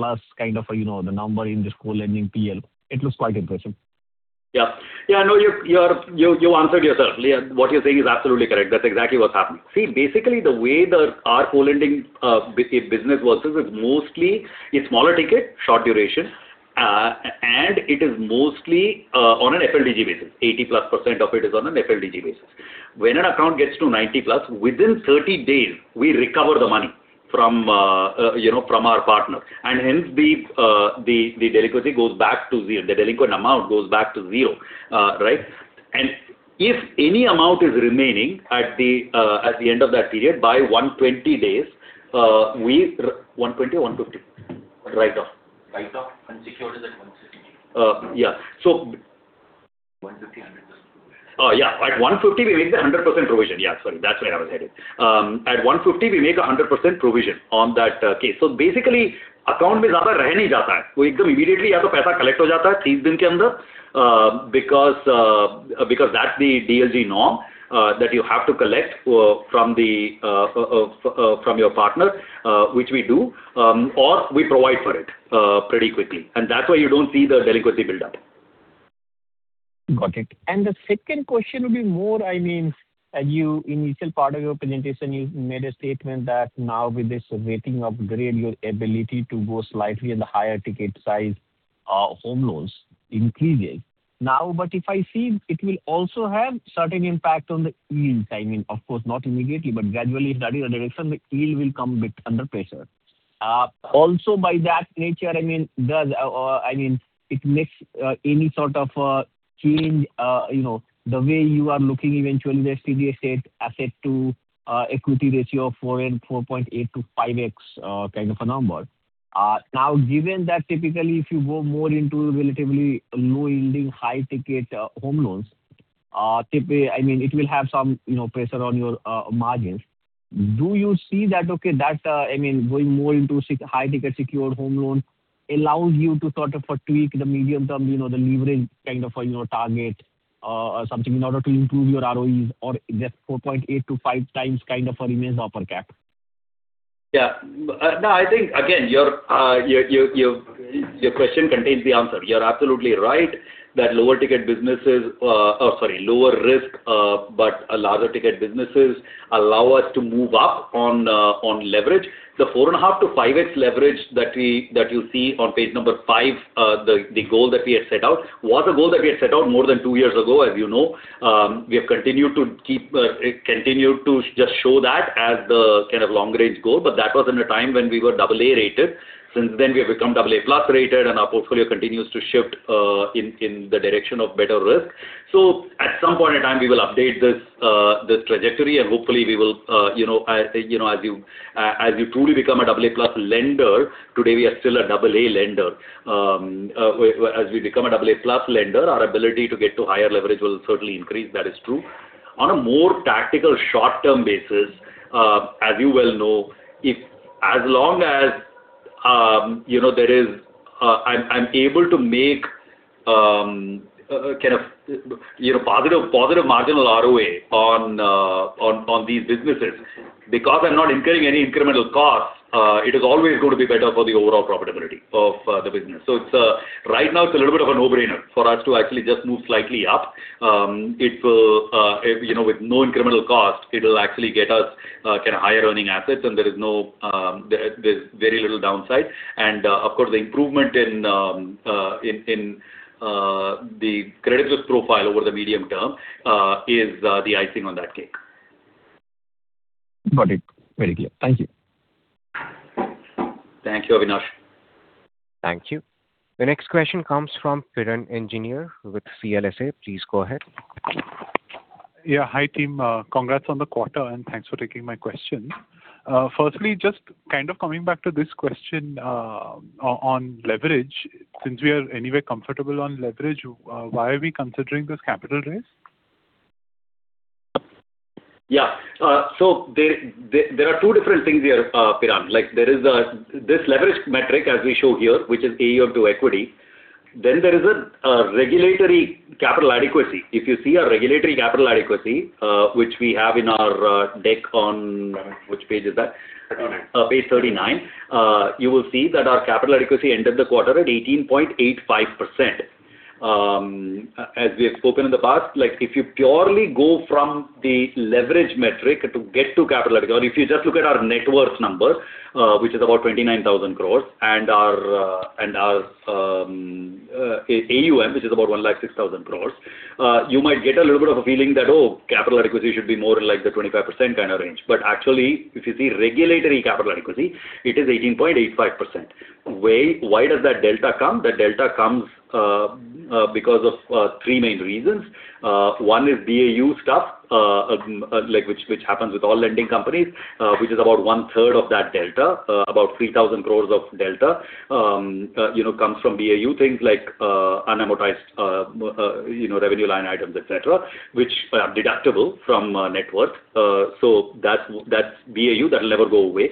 the number in this co-lending PL, it looks quite impressive. Yeah. No, you answered yourself. What you're saying is absolutely correct. That's exactly what's happened. See, basically, the way our whole lending business works is it's mostly a smaller ticket, short duration, and it is mostly on an FLDG basis. 80%+ of it is on an FLDG basis. When an account gets to 90+, within 30 days, we recover the money from our partner, and hence the delinquency goes back to zero. The delinquent amount goes back to zero. Right? If any amount is remaining at the end of that period, by 120 days, we 120 or 150? Write off. Write off. Unsecured is at 150. Yeah. 150, 100%. Yeah. At 150, we make the 100% provision. Yeah, sorry, that's where I was headed. At 150, we make 100% provision on that case. Basically, account "" immediately. That's the DLG norm that you have to collect from your partner, which we do, or we provide for it pretty quickly, and that's why you don't see the delinquency build-up. Got it. The second question will be more, I mean, initial part of your presentation, you made a statement that now with this rating upgrade, your ability to go slightly in the higher ticket size home loans increases. If I see, it will also have certain impact on the yield. I mean, of course, not immediately, but gradually that is the direction the yield will come bit under pressure. By that nature, I mean, it makes any sort of change the way you are looking eventually the CD asset to equity ratio of 4.8x to 5x kind of a number. Given that typically if you go more into relatively low-yielding, high-ticket home loans, I mean, it will have some pressure on your margins. Do you see that, okay, that, I mean, going more into high-ticket secured home loan allows you to sort of tweak the medium-term, the leverage kind of your target or something in order to improve your ROEs or just 4.8x to 5x kind of remains upper cap? Yeah. I think, again, your question contains the answer. You're absolutely right that lower risk but larger ticket businesses allow us to move up on leverage. The 4.5x to 5x leverage that you see on page number five, the goal that we had set out was a goal that we had set out more than two years ago, as you know. We have continued to just show that as the kind of long-range goal, but that was in a time when we were double A-rated. Since then, we have become double A+ rated, and our portfolio continues to shift in the direction of better risk. At some point in time, we will update this trajectory, and hopefully we will, as we truly become a double A+ lender. Today, we are still a double A lender. As we become a double A+ lender, our ability to get to higher leverage will certainly increase. That is true. On a more tactical short-term basis, as you well know, as long as I'm able to make kind of positive marginal ROA on these businesses because I'm not incurring any incremental cost, it is always going to be better for the overall profitability of the business. Right now it's a little bit of a no-brainer for us to actually just move slightly up. With no incremental cost, it will actually get us kind of higher earning assets and there's very little downside and, of course, the improvement in the credit risk profile over the medium term is the icing on that cake. Got it. Very clear. Thank you. Thank you, Avinash. Thank you. The next question comes from Piran Engineer with CLSA. Please go ahead. Yeah. Hi, team. Congrats on the quarter, and thanks for taking my question. Firstly, just kind of coming back to this question on leverage. Since we are anyway comfortable on leverage, why are we considering this capital raise? There are two different things here, Piran. There is this leverage metric as we show here, which is AE to equity. Then there is a regulatory capital adequacy. If you see our regulatory capital adequacy, which we have in our deck on Which page is that? 39. Page 39. You will see that our capital adequacy ended the quarter at 18.85%. As we have spoken in the past, if you purely go from the leverage metric to get to capital adequacy, or if you just look at our net worth number, which is about 29,000 crore and our AUM, which is about 106,000 crore you might get a little bit of a feeling that, "Oh, capital adequacy should be more like the 25% kind of range." Actually, if you see regulatory capital adequacy, it is 18.85%. Why does that delta come? That delta comes because of three main reasons. One is BAU stuff, which happens with all lending companies, which is about one-third of that delta. About 3,000 crore of delta comes from BAU things like unamortized revenue line items, et cetera, which are deductible from net worth. That's BAU. That'll never go away.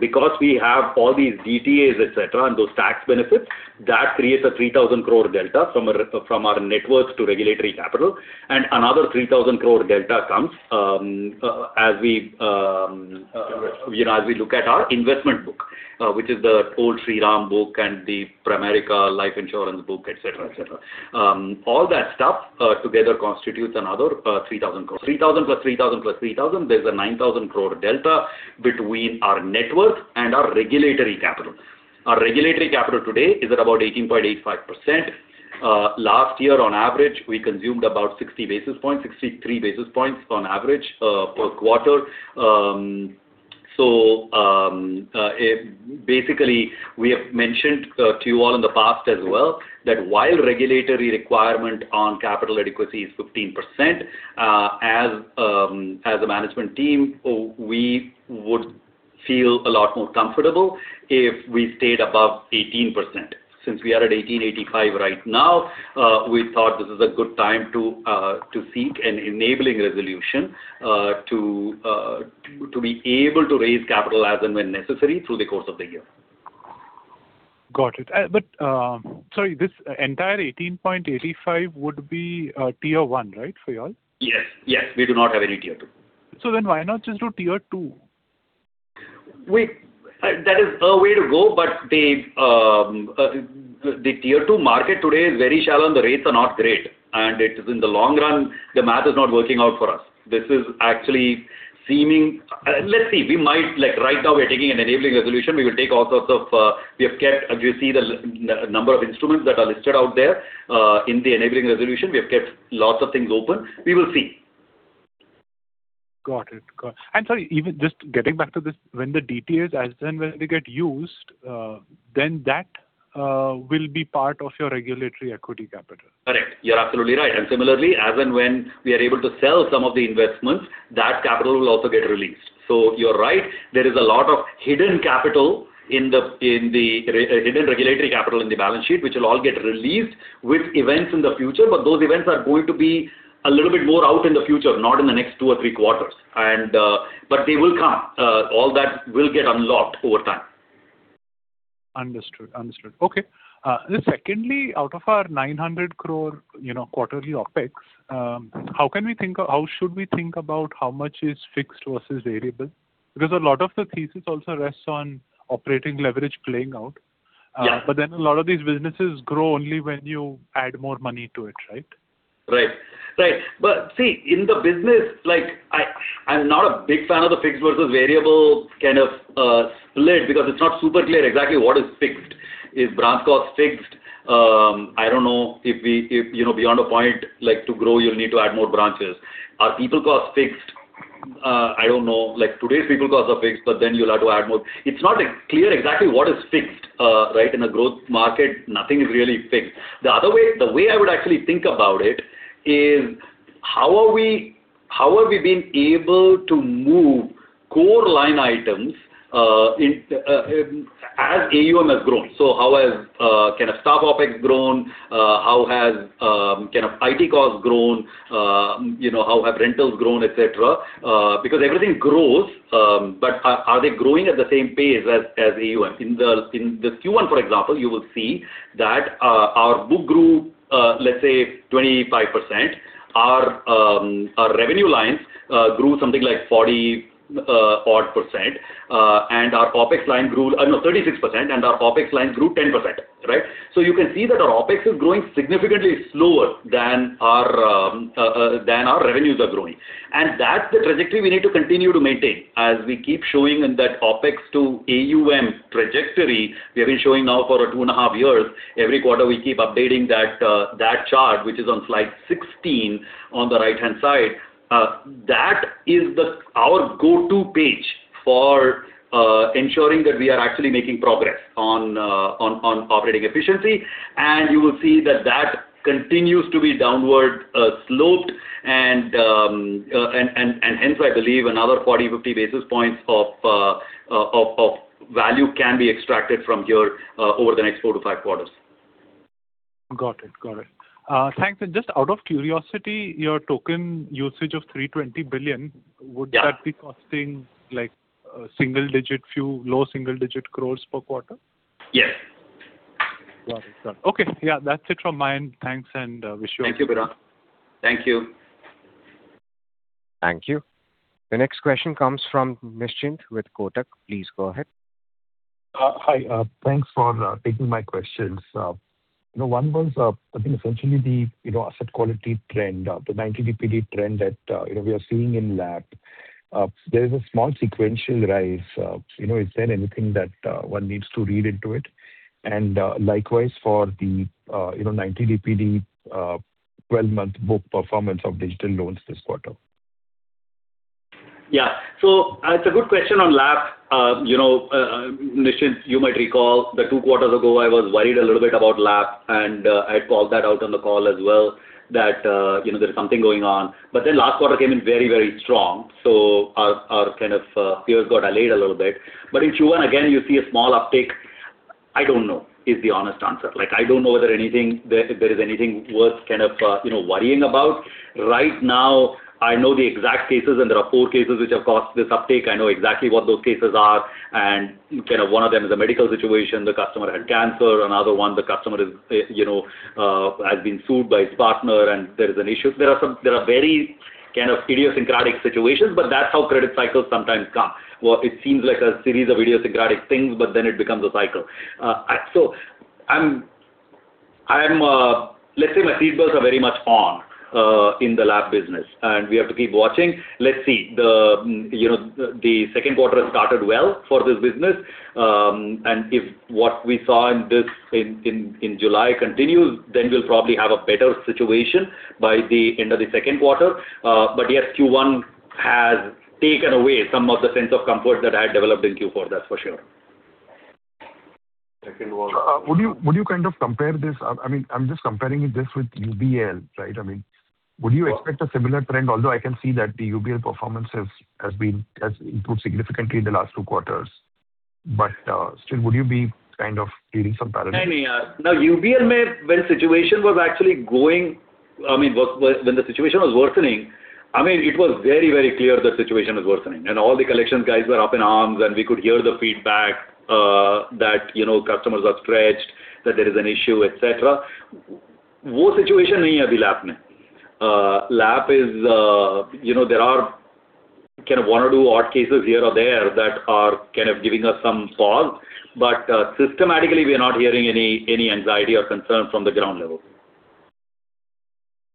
Because we have all these DTAs, et cetera, and those tax benefits, that creates an 3,000 crore delta from our net worth to regulatory capital. Another 3,000 crore delta comes as we as we look at our investment book Which is the old Shriram book and the Pramerica life insurance book, et cetera. All that stuff together constitutes another 3,000 crore. 3,000 plus 3,000 plus 3,000, there's an 9,000 crore delta between our net worth and our regulatory capital. Our regulatory capital today is at about 18.85%. Last year, on average, we consumed about 60 basis points, 63 basis points on average per quarter. Basically, we have mentioned to you all in the past as well that while regulatory requirement on capital adequacy is 15%, as a management team, we would feel a lot more comfortable if we stayed above 18%. Since we are at 18.85% right now, we thought this is a good time to seek an enabling resolution to be able to raise capital as and when necessary through the course of the year. Got it. Sorry, this entire 18.85% would be tier 1, right, for you all? Yes. We do not have any tier 2. Why not just do tier 2? That is a way to go, but the tier 2 market today is very shallow and the rates are not great. In the long run, the math is not working out for us. Let's see. Right now, we're taking an enabling resolution. As you see the number of instruments that are listed out there, in the enabling resolution, we have kept lots of things open. We will see. Got it. Sorry, even just getting back to this, when the DTAs, as and when they get used, that will be part of your regulatory equity capital? Correct. You're absolutely right. Similarly, as and when we are able to sell some of the investments, that capital will also get released. You're right. There is a lot of hidden regulatory capital in the balance sheet, which will all get released with events in the future. Those events are going to be a little bit more out in the future, not in the next two or three quarters. They will come. All that will get unlocked over time. Understood. Okay. Secondly, out of our 900 crore quarterly OpEx, how should we think about how much is fixed versus variable? Because a lot of the thesis also rests on operating leverage playing out. Yeah. A lot of these businesses grow only when you add more money to it, right? Right. See, in the business, I'm not a big fan of the fixed versus variable kind of split because it's not super clear exactly what is fixed. Is branch cost fixed? I don't know. If beyond a point to grow, you'll need to add more branches. Are people cost fixed? I don't know. Today's people costs are fixed, you'll have to add more. It's not clear exactly what is fixed, right? In a growth market, nothing is really fixed. The way I would actually think about it is how have we been able to move core line items as AUM has grown? How has staff OpEx grown? How has IT costs grown? How have rentals grown, et cetera? Everything grows, but are they growing at the same pace as AUM? In the Q1, for example, you will see that our book grew, let's say, 25%. Our revenue lines grew something like 40% odd. No, 36%, our OpEx lines grew 10%, right? You can see that our OpEx is growing significantly slower than our revenues are growing. That's the trajectory we need to continue to maintain. As we keep showing in that OpEx to AUM trajectory, we have been showing now for two and a half years. Every quarter, we keep updating that chart, which is on slide 16 on the right-hand side. That is our go-to page for ensuring that we are actually making progress on operating efficiency. You will see that that continues to be downward sloped, and hence, I believe another 40, 50 basis points of value can be extracted from here over the next four to five quarters. Got it. Thanks. Just out of curiosity, your token usage of 320 billion- Yeah. Would that be costing low single-digit crores per quarter? Yes. Got it. Okay. Yeah. That's it from my end. Thanks, and wish you all the best. Thank you, Piran. Thank you. Thank you. The next question comes from Nishant with Kotak. Please go ahead. Hi. Thanks for taking my questions. One was, I think essentially the asset quality trend, the 90 DPD trend that we are seeing in LAP. There is a small sequential rise. Is there anything that one needs to read into it? Likewise for the 90 DPD 12-month book performance of digital loans this quarter. It's a good question on LAP. Nishant, you might recall that two quarters ago, I was worried a little bit about LAP, I had called that out on the call as well, that there's something going on. Last quarter came in very strong, so our fears got allayed a little bit. In Q1, again, you see a small uptick. I don't know, is the honest answer. I don't know if there is anything worth worrying about. Right now, I know the exact cases, and there are four cases which have caused this uptick. I know exactly what those cases are, and one of them is a medical situation. The customer had cancer. Another one, the customer has been sued by his partner, and there is an issue. There are very kind of idiosyncratic situations, but that's how credit cycles sometimes come. Where it seems like a series of idiosyncratic things, it becomes a cycle. Let's say my seat belts are very much on in the LAP business, we have to keep watching. Let's see. The second quarter has started well for this business. If what we saw in July continues, we'll probably have a better situation by the end of the second quarter. Yes, Q1 has taken away some of the sense of comfort that I had developed in Q4, that's for sure. Second quarter would you kind of compare this? I'm just comparing this with UBL, right? Would you expect a similar trend? Although I can see that the UBL performance has improved significantly in the last two quarters. Still, would you be kind of reading some parallels? No. When the situation was worsening, it was very clear the situation was worsening. All the collections guys were up in arms, and we could hear the feedback that customers are stretched, that there is an issue, et cetera. That situation is not there in LAP now. There are kind of one or two odd cases here or there that are kind of giving us some pause, systematically, we are not hearing any anxiety or concern from the ground level.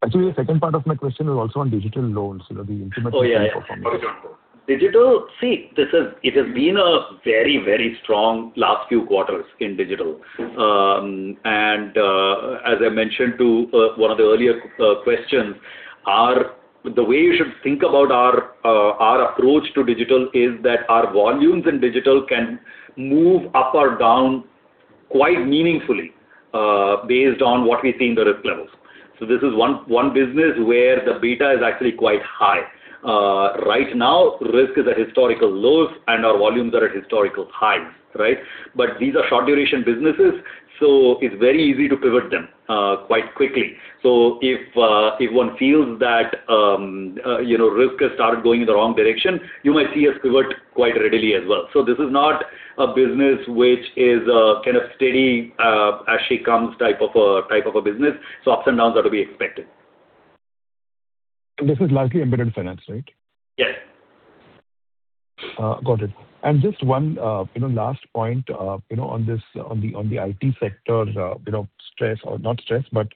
Actually, the second part of my question was also on digital loans, the increment performance. Oh, yeah. Digital, see, it has been a very strong last few quarters in digital. As I mentioned to one of the earlier questions, the way you should think about our approach to digital is that our volumes in digital can move up or down quite meaningfully based on what we think the risk levels. This is one business where the beta is actually quite high. Right now, risk is at historical lows and our volumes are at historical highs. Right? These are short-duration businesses, it's very easy to pivot them quite quickly. If one feels that risk has started going in the wrong direction, you might see us pivot quite readily as well. This is not a business which is a kind of steady as she comes type of a business. Ups and downs are to be expected. This is largely embedded finance, right? Yes. Got it. Just one last point on the IT sector stress, or not stress, but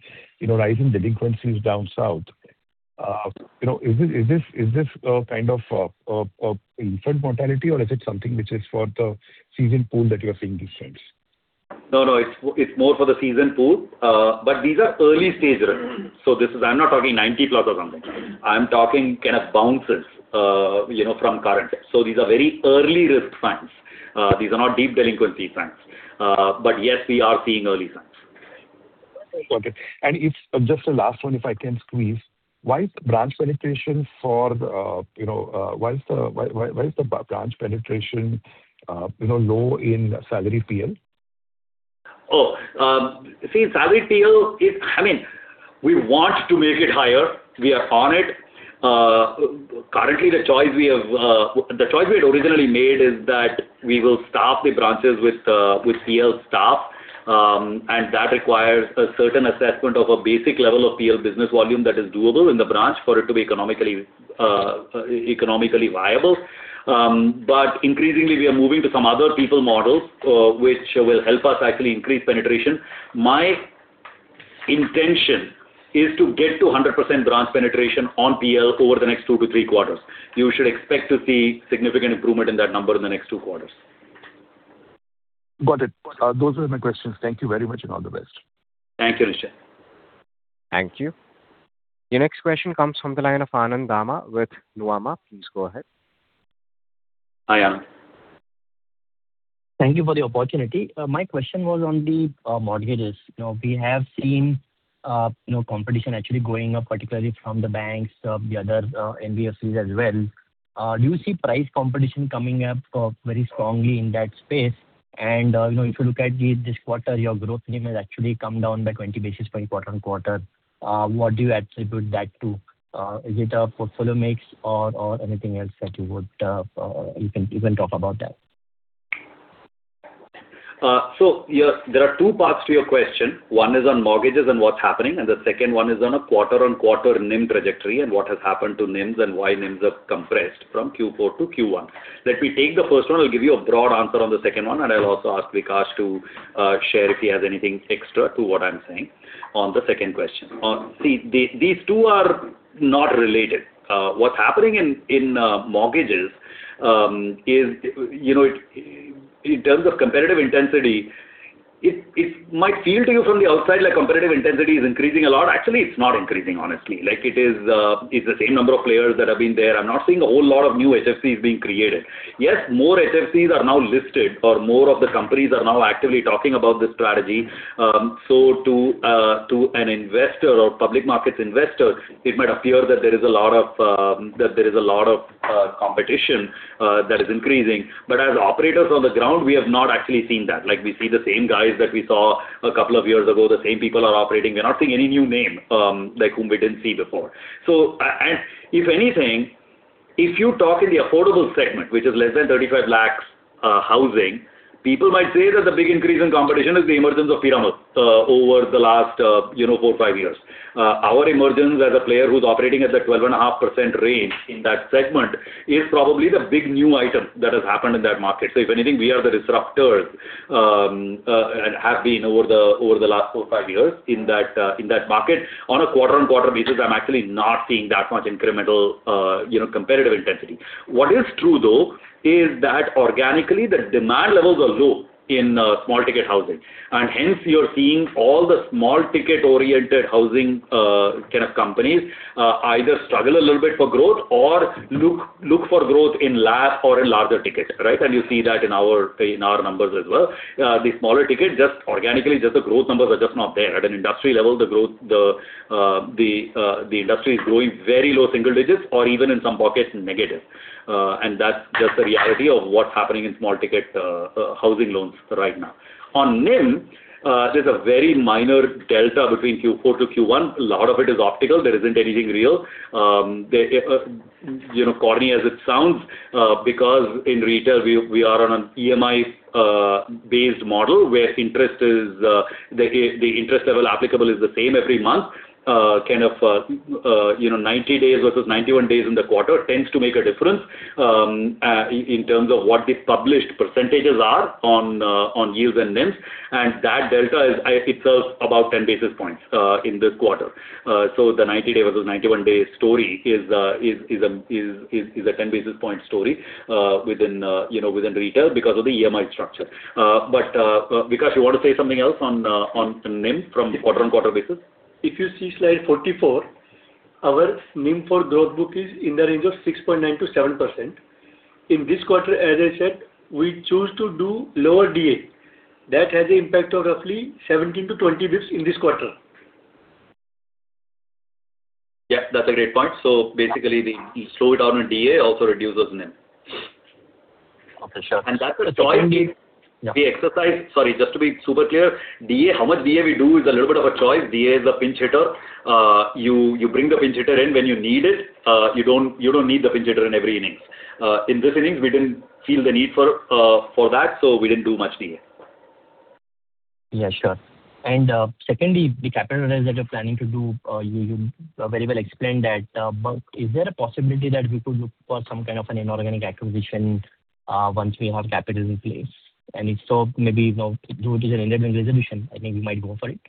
rising delinquencies down south. Is this a kind of infant mortality or is it something which is for the season pool that you are seeing these trends? No, it's more for the season pool. These are early-stage risks. I'm not talking 90+ or something. I'm talking kind of bounces from current risks. These are very early risk signs. These are not deep delinquency signs. Yes, we are seeing early signs. Okay. Just the last one, if I can squeeze. Why is the branch penetration low in salary PL? Oh. See, salary PL is, We want to make it higher. We are on it. Currently, the choice we had originally made is that we will staff the branches with PL staff, and that requires a certain assessment of a basic level of PL business volume that is doable in the branch for it to be economically viable. Increasingly, we are moving to some other people models, which will help us actually increase penetration. My intention is to get to 100% branch penetration on PL over the next two to three quarters. You should expect to see significant improvement in that number in the next two quarters. Got it. Those were my questions. Thank you very much, and all the best. Thank you, Nishant. Thank you. Your next question comes from the line of Anand Dama with Nuvama. Please go ahead. Hi, Anand. Thank you for the opportunity. My question was on the mortgages. We have seen competition actually going up, particularly from the banks, the other NBFCs as well. Do you see price competition coming up very strongly in that space? If you look at this quarter, your growth NIM has actually come down by 20 basis points quarter-on-quarter. What do you attribute that to? Is it a portfolio mix or anything else that you can talk about that? There are two parts to your question. One is on mortgages and what's happening, and the second one is on a quarter-on-quarter NIM trajectory and what has happened to NIMs and why NIMs have compressed from Q4 to Q1. Let me take the first one. I'll give you a broad answer on the second one, and I'll also ask Vikash to share if he has anything extra to what I'm saying on the second question. See, these two are not related. What's happening in mortgages is, in terms of competitive intensity, it might feel to you from the outside like competitive intensity is increasing a lot. Actually, it's not increasing, honestly. It's the same number of players that have been there. I'm not seeing a whole lot of new HFCs being created. Yes, more HFCs are now listed or more of the companies are now actively talking about this strategy. To an investor or public markets investor, it might appear that there is a lot of competition that is increasing. As operators on the ground, we have not actually seen that. We see the same guys that we saw a couple of years ago. The same people are operating. We're not seeing any new name, like whom we didn't see before. If anything, if you talk in the affordable segment, which is less than 35 lakhs housing, people might say that the big increase in competition is the emergence of Piramal over the last four or five years. Our emergence as a player who's operating at the 12.5% range in that segment is probably the big new item that has happened in that market. If anything, we are the disruptors, and have been over the last four or five years in that market. On a quarter-on-quarter basis, I'm actually not seeing that much incremental competitive intensity. What is true though is that organically, the demand levels are low in small ticket housing, and hence you're seeing all the small ticket-oriented housing kind of companies either struggle a little bit for growth or look for growth in large or in larger ticket. Right? You see that in our numbers as well. The smaller ticket, just organically, just the growth numbers are just not there. At an industry level, the industry is growing very low single digits or even in some pockets, negative. That's just the reality of what's happening in small ticket housing loans right now. On NIM, there's a very minor delta between Q4 to Q1. A lot of it is optical. There isn't anything real. Corny as it sounds, because in retail, we are on an EMI-based model where the interest level applicable is the same every month. 90 days versus 91 days in the quarter tends to make a difference in terms of what the published percentages are on yields and NIMs and that delta is itself about 10 basis points in this quarter. The 90 day versus 91 day story is a 10 basis point story within retail because of the EMI structure. Vikash, you want to say something else on NIM from the quarter-on-quarter basis? If you see slide 44, our NIM for growth book is in the range of 6.9%-7%. In this quarter, as I said, we choose to do lower DA. That has an impact of roughly 17 to 20 basis points in this quarter. That's a great point. Basically, we slow down on DA, also reduces NIM. Sure. That's a choice we exercise. Sorry, just to be super clear, how much DA we do is a little bit of a choice. DA is a pinch hitter. You bring the pinch hitter in when you need it. You don't need the pinch hitter in every inning. In this inning, we didn't feel the need for that, we didn't do much DA. Yeah, sure. Secondly, the capital raise that you're planning to do, you very well explained that. Is there a possibility that we could look for some kind of an inorganic acquisition once we have capital in place? If so, maybe now due to an enabling resolution, I think we might go for it.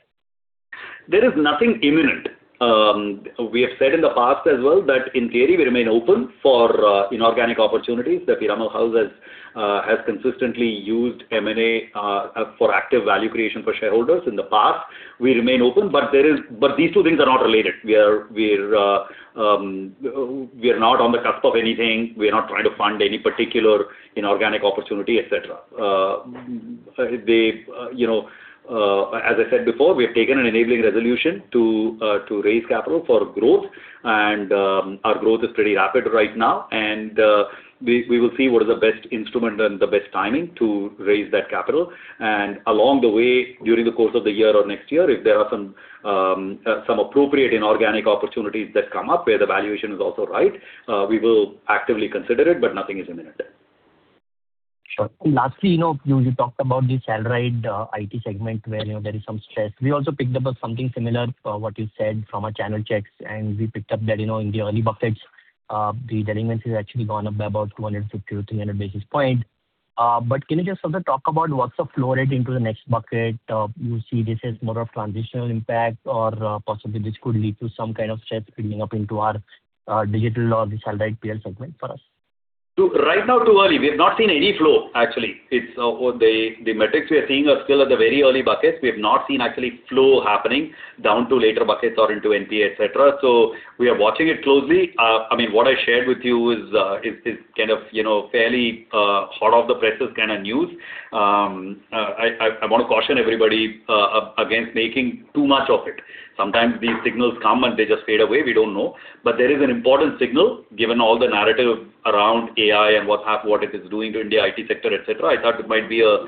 There is nothing imminent. We have said in the past as well that in theory, we remain open for inorganic opportunities that Piramal Group has consistently used M&A for active value creation for shareholders in the past. We remain open, these two things are not related. We are not on the cusp of anything. We are not trying to fund any particular inorganic opportunity, et cetera. As I said before, we have taken an enabling resolution to raise capital for growth, our growth is pretty rapid right now, and we will see what is the best instrument and the best timing to raise that capital. Along the way, during the course of the year or next year, if there are some appropriate inorganic opportunities that come up where the valuation is also right, we will actively consider it, nothing is imminent. Sure. Lastly, you talked about the salaried IT segment where there is some stress. We also picked up on something similar, what you said from our channel checks, we picked up that in the early buckets, the delinquencies actually gone up by about 250-300 basis points. Can you just sort of talk about what's the flow rate into the next bucket? Do you see this as more of transitional impact or possibly this could lead to some kind of stress building up into our digital or the salaried peer segment for us? Right now, too early. We have not seen any flow, actually. The metrics we are seeing are still at the very early buckets. We have not seen actually flow happening down to later buckets or into NPA, et cetera. We are watching it closely. What I shared with you is fairly hot-off-the-presses kind of news. I want to caution everybody against making too much of it. Sometimes these signals come and they just fade away. We don't know. There is an important signal given all the narrative around AI and what half what it is doing to India IT sector, et cetera. I thought it might be a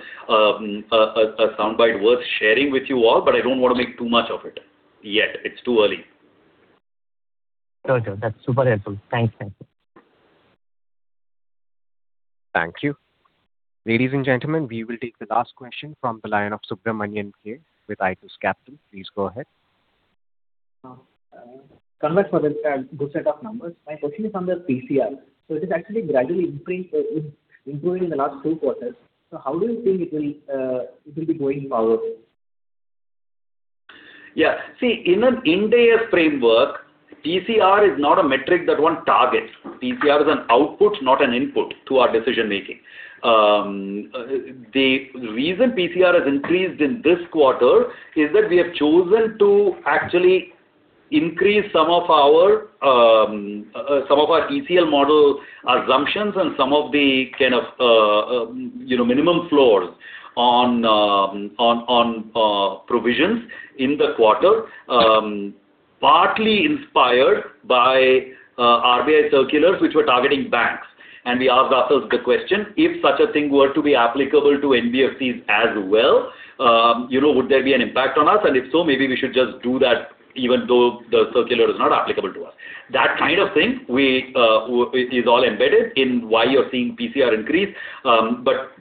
soundbite worth sharing with you all, but I don't want to make too much of it yet. It's too early. Sure. That's super helpful. Thanks. Thank you. Ladies and gentlemen, we will take the last question from the line of Subramanian K with Itus Capital. Please go ahead. Congrats for this good set of numbers. My question is on the PCR. It is actually gradually improving in the last two quarters. How do you think it will be going forward? Yeah. See, in an N days framework, PCR is not a metric that one targets. PCR is an output, not an input to our decision making. The reason PCR has increased in this quarter is that we have chosen to actually increase some of our ECL model assumptions and some of the minimum floors on provisions in the quarter, partly inspired by RBI circulars, which were targeting banks. We asked ourselves the question, if such a thing were to be applicable to NBFCs as well, would there be an impact on us? If so, maybe we should just do that even though the circular is not applicable to us. That kind of thing is all embedded in why you're seeing PCR increase, but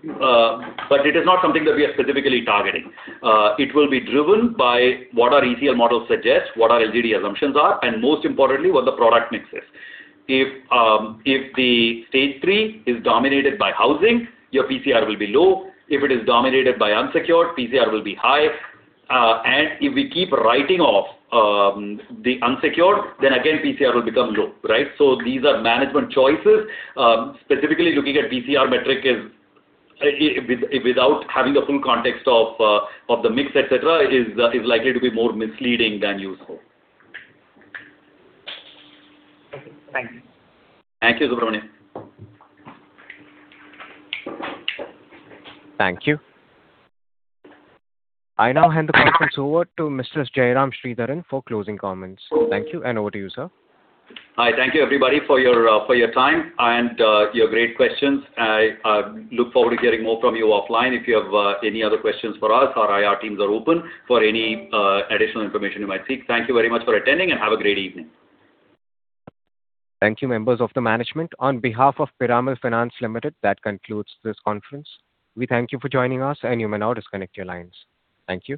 it is not something that we are specifically targeting. It will be driven by what our ECL model suggests, what our LGD assumptions are, and most importantly, what the product mix is. If the stage 3 is dominated by housing, your PCR will be low. If it is dominated by unsecured, PCR will be high. If we keep writing off the unsecured, then again, PCR will become low. Right? These are management choices. Specifically looking at PCR metric without having the full context of the mix, et cetera, is likely to be more misleading than useful. Okay, thank you. Thank you, Subramanian. Thank you. I now hand the conference over to Mr. Jairam Sridharan for closing comments. Thank you, and over to you, sir. Hi. Thank you, everybody, for your time and your great questions. I look forward to hearing more from you offline. If you have any other questions for us, our IR teams are open for any additional information you might seek. Thank you very much for attending and have a great evening. Thank you, members of the management. On behalf of Piramal Finance Limited, that concludes this conference. We thank you for joining us and you may now disconnect your lines. Thank you.